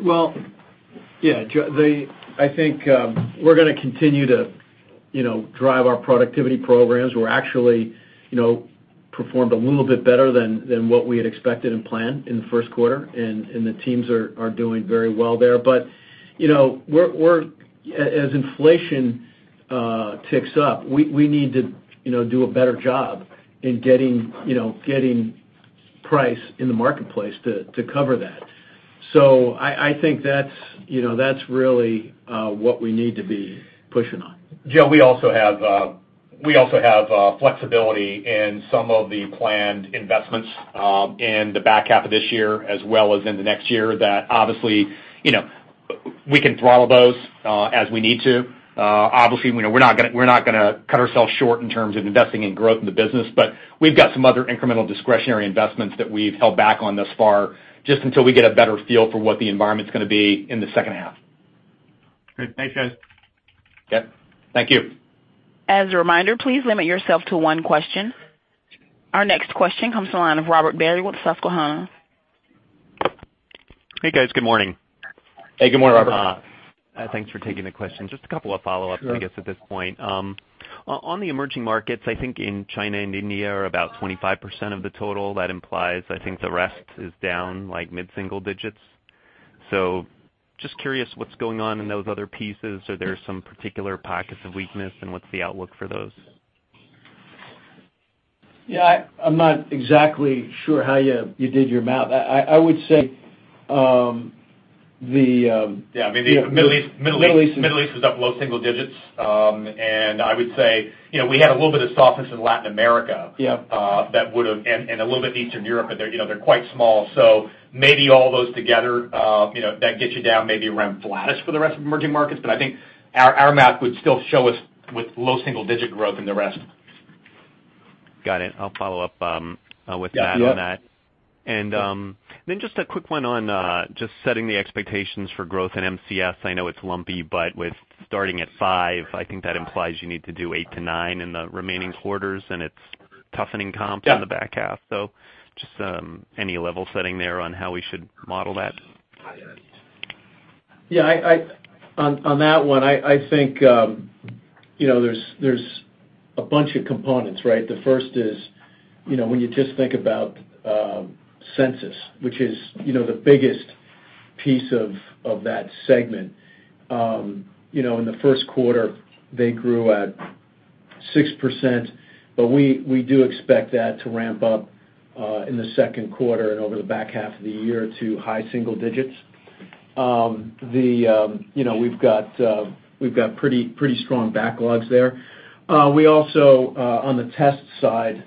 S4: Well, yeah. I think we're going to continue to drive our productivity programs. We actually performed a little bit better than what we had expected and planned in the first quarter, and the teams are doing very well there. As inflation ticks up, we need to do a better job in getting price in the marketplace to cover that. I think that's really what we need to be pushing on.
S3: Joe, we also have flexibility in some of the planned investments in the back half of this year, as well as in the next year that obviously, we can throttle those as we need to. Obviously, we're not going to cut ourselves short in terms of investing in growth in the business, but we've got some other incremental discretionary investments that we've held back on thus far, just until we get a better feel for what the environment's going to be in the second half.
S12: Great. Thanks, guys.
S3: Yep. Thank you.
S1: As a reminder, please limit yourself to one question. Our next question comes to the line of Robert Barry with Susquehanna.
S13: Hey, guys. Good morning.
S3: Hey, good morning, Robert.
S13: Thanks for taking the question. Just a couple of follow-ups, I guess, at this point. On the emerging markets, I think in China and India are about 25% of the total. That implies, I think, the rest is down mid-single digits. Just curious what's going on in those other pieces. Are there some particular pockets of weakness, and what's the outlook for those?
S4: Yeah, I'm not exactly sure how you did your math.
S3: Yeah, Middle East is up low single digits. I would say, we had a little bit of softness in Latin America.
S4: Yep.
S3: A little bit in Eastern Europe, but they're quite small. Maybe all those together, that gets you down maybe around flattish for the rest of emerging markets. I think our math would still show us with low single-digit growth in the rest of them.
S13: Got it. I'll follow up with Pat on that.
S3: Yeah.
S13: Just a quick one on just setting the expectations for growth in MCS. I know it's lumpy, but with starting at five, I think that implies you need to do 8% to 9% in the remaining quarters, and it's toughening comp-
S3: Yeah
S13: In the back half. Just any level setting there on how we should model that?
S4: Yeah. On that one, I think there's a bunch of components, right? The first is, when you just think about Sensus, which is the biggest piece of that segment. In the first quarter, they grew at 6%, but we do expect that to ramp up in the second quarter and over the back half of the year to high single digits. We've got pretty strong backlogs there. We also, on the test side,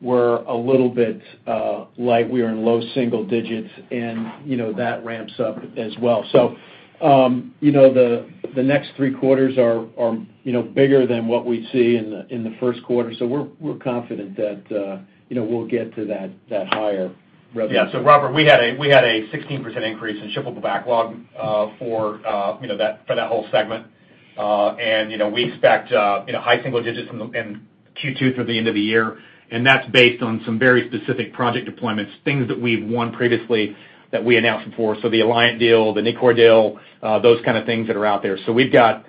S4: we're a little bit light. We are in low single digits, and that ramps up as well. The next three quarters are bigger than what we see in the first quarter. We're confident that we'll get to that higher revenue.
S3: Yeah. Robert, we had a 16% increase in shippable backlog for that whole segment. We expect high single digits in Q2 through the end of the year, and that's based on some very specific project deployments, things that we've won previously that we announced before. The Alliant deal, the Nicor deal, those kind of things that are out there. We've got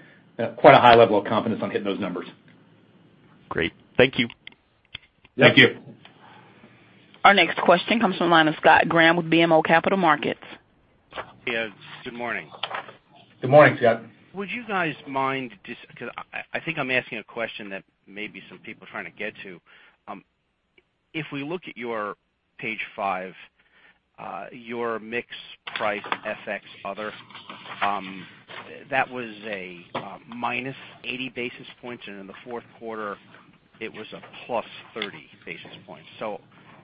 S3: quite a high level of confidence on hitting those numbers.
S13: Great. Thank you.
S3: Thank you.
S1: Our next question comes from the line of Scott Graham with BMO Capital Markets.
S14: Yes, good morning.
S3: Good morning, Scott.
S14: Would you guys mind, because I think I'm asking a question that maybe some people are trying to get to. If we look at your page five, your mix price, FX, other, that was a -80 basis points, and in the fourth quarter it was a +30 basis points.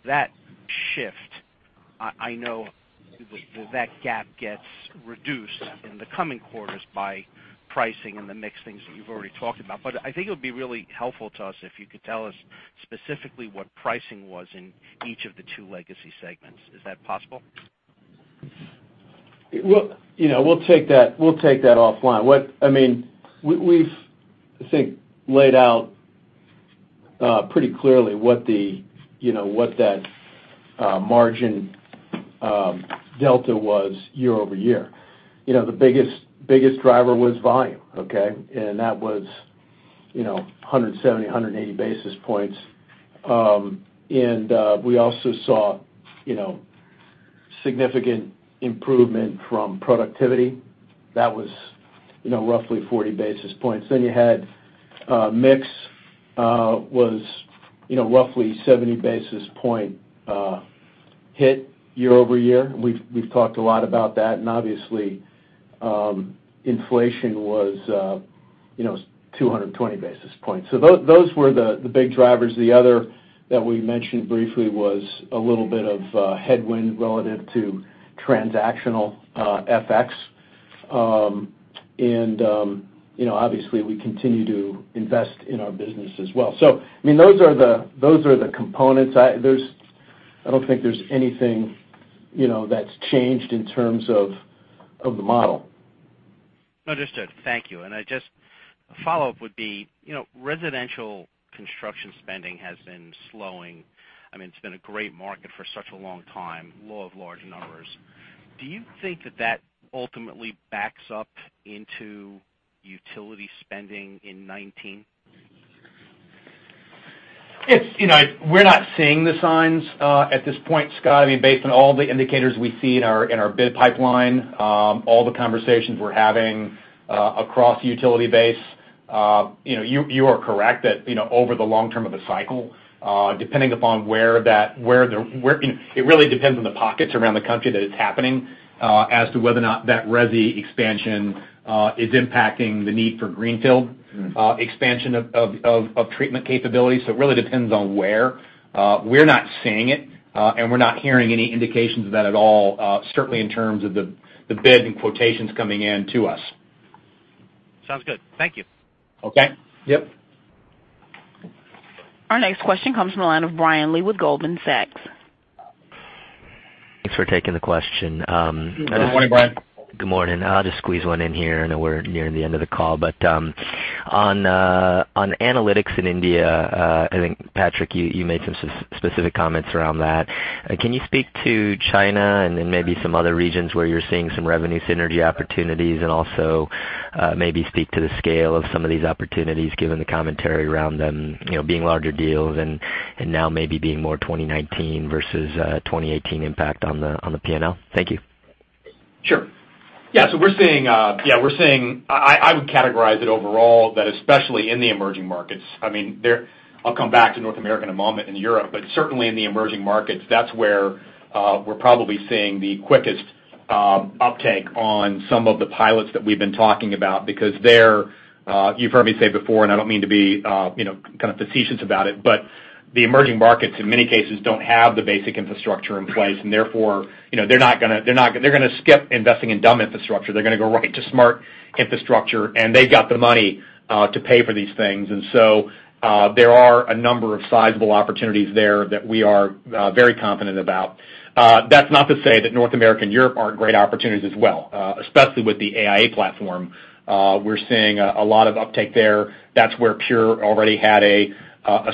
S14: That shift, I know that gap gets reduced in the coming quarters by pricing and the mix things that you've already talked about. I think it would be really helpful to us if you could tell us specifically what pricing was in each of the two legacy segments. Is that possible?
S4: We'll take that offline. We've, I think, laid out pretty clearly what that margin delta was year-over-year. The biggest driver was volume, okay? That was 170, 180 basis points. We also saw significant improvement from productivity. That was roughly 40 basis points. You had mix, was roughly 70 basis points hit year-over-year. We've talked a lot about that, obviously, inflation was 220 basis points. Those were the big drivers. The other that we mentioned briefly was a little bit of headwind relative to transactional FX. Obviously, we continue to invest in our business as well. Those are the components. I don't think there's anything that's changed in terms of the model.
S14: Understood. Thank you. A follow-up would be, residential construction spending has been slowing. It's been a great market for such a long time, law of large numbers. Do you think that that ultimately backs up into utility spending in 2019?
S3: We're not seeing the signs at this point, Scott. Based on all the indicators we see in our bid pipeline, all the conversations we're having across the utility base. You are correct that over the long term of a cycle, it really depends on the pockets around the country that it's happening as to whether or not that resi expansion is impacting the need for greenfield expansion of treatment capabilities. It really depends on where. We're not seeing it, we're not hearing any indications of that at all, certainly in terms of the bid and quotations coming in to us.
S14: Sounds good. Thank you.
S3: Okay. Yep.
S1: Our next question comes from the line of Brian Lee with Goldman Sachs.
S15: Thanks for taking the question.
S3: Good morning, Brian.
S15: Good morning. I'll just squeeze one in here. I know we're nearing the end of the call. On analytics in India, I think, Patrick, you made some specific comments around that. Can you speak to China and then maybe some other regions where you're seeing some revenue synergy opportunities, and also maybe speak to the scale of some of these opportunities, given the commentary around them being larger deals and now maybe being more 2019 versus 2018 impact on the P&L? Thank you.
S3: Sure. I would categorize it overall that especially in the emerging markets. I'll come back to North America in a moment and Europe. Certainly in the emerging markets, that's where we're probably seeing the quickest uptake on some of the pilots that we've been talking about. Because there, you've heard me say before, and I don't mean to be facetious about it, but the emerging markets, in many cases, don't have the basic infrastructure in place, and therefore, they're going to skip investing in dumb infrastructure. They're going to go right to smart infrastructure, and they've got the money to pay for these things. There are a number of sizable opportunities there that we are very confident about. That's not to say that North America and Europe aren't great opportunities as well, especially with the AIA platform. We're seeing a lot of uptake there. That's where Pure already had a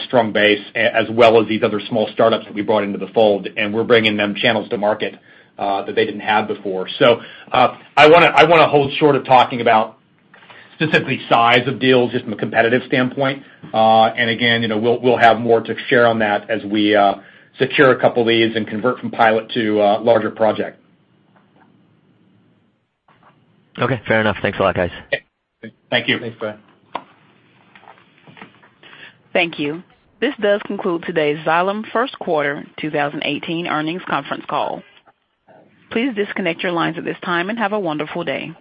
S3: strong base, as well as these other small startups that we brought into the fold, and we're bringing them channels to market that they didn't have before. I want to hold short of talking about specifically size of deals, just from a competitive standpoint. Again, we'll have more to share on that as we secure a couple of these and convert from pilot to a larger project.
S15: Okay, fair enough. Thanks a lot, guys.
S4: Thank you. Thanks, Brian.
S1: Thank you. This does conclude today's Xylem First Quarter 2018 Earnings Conference Call. Please disconnect your lines at this time and have a wonderful day.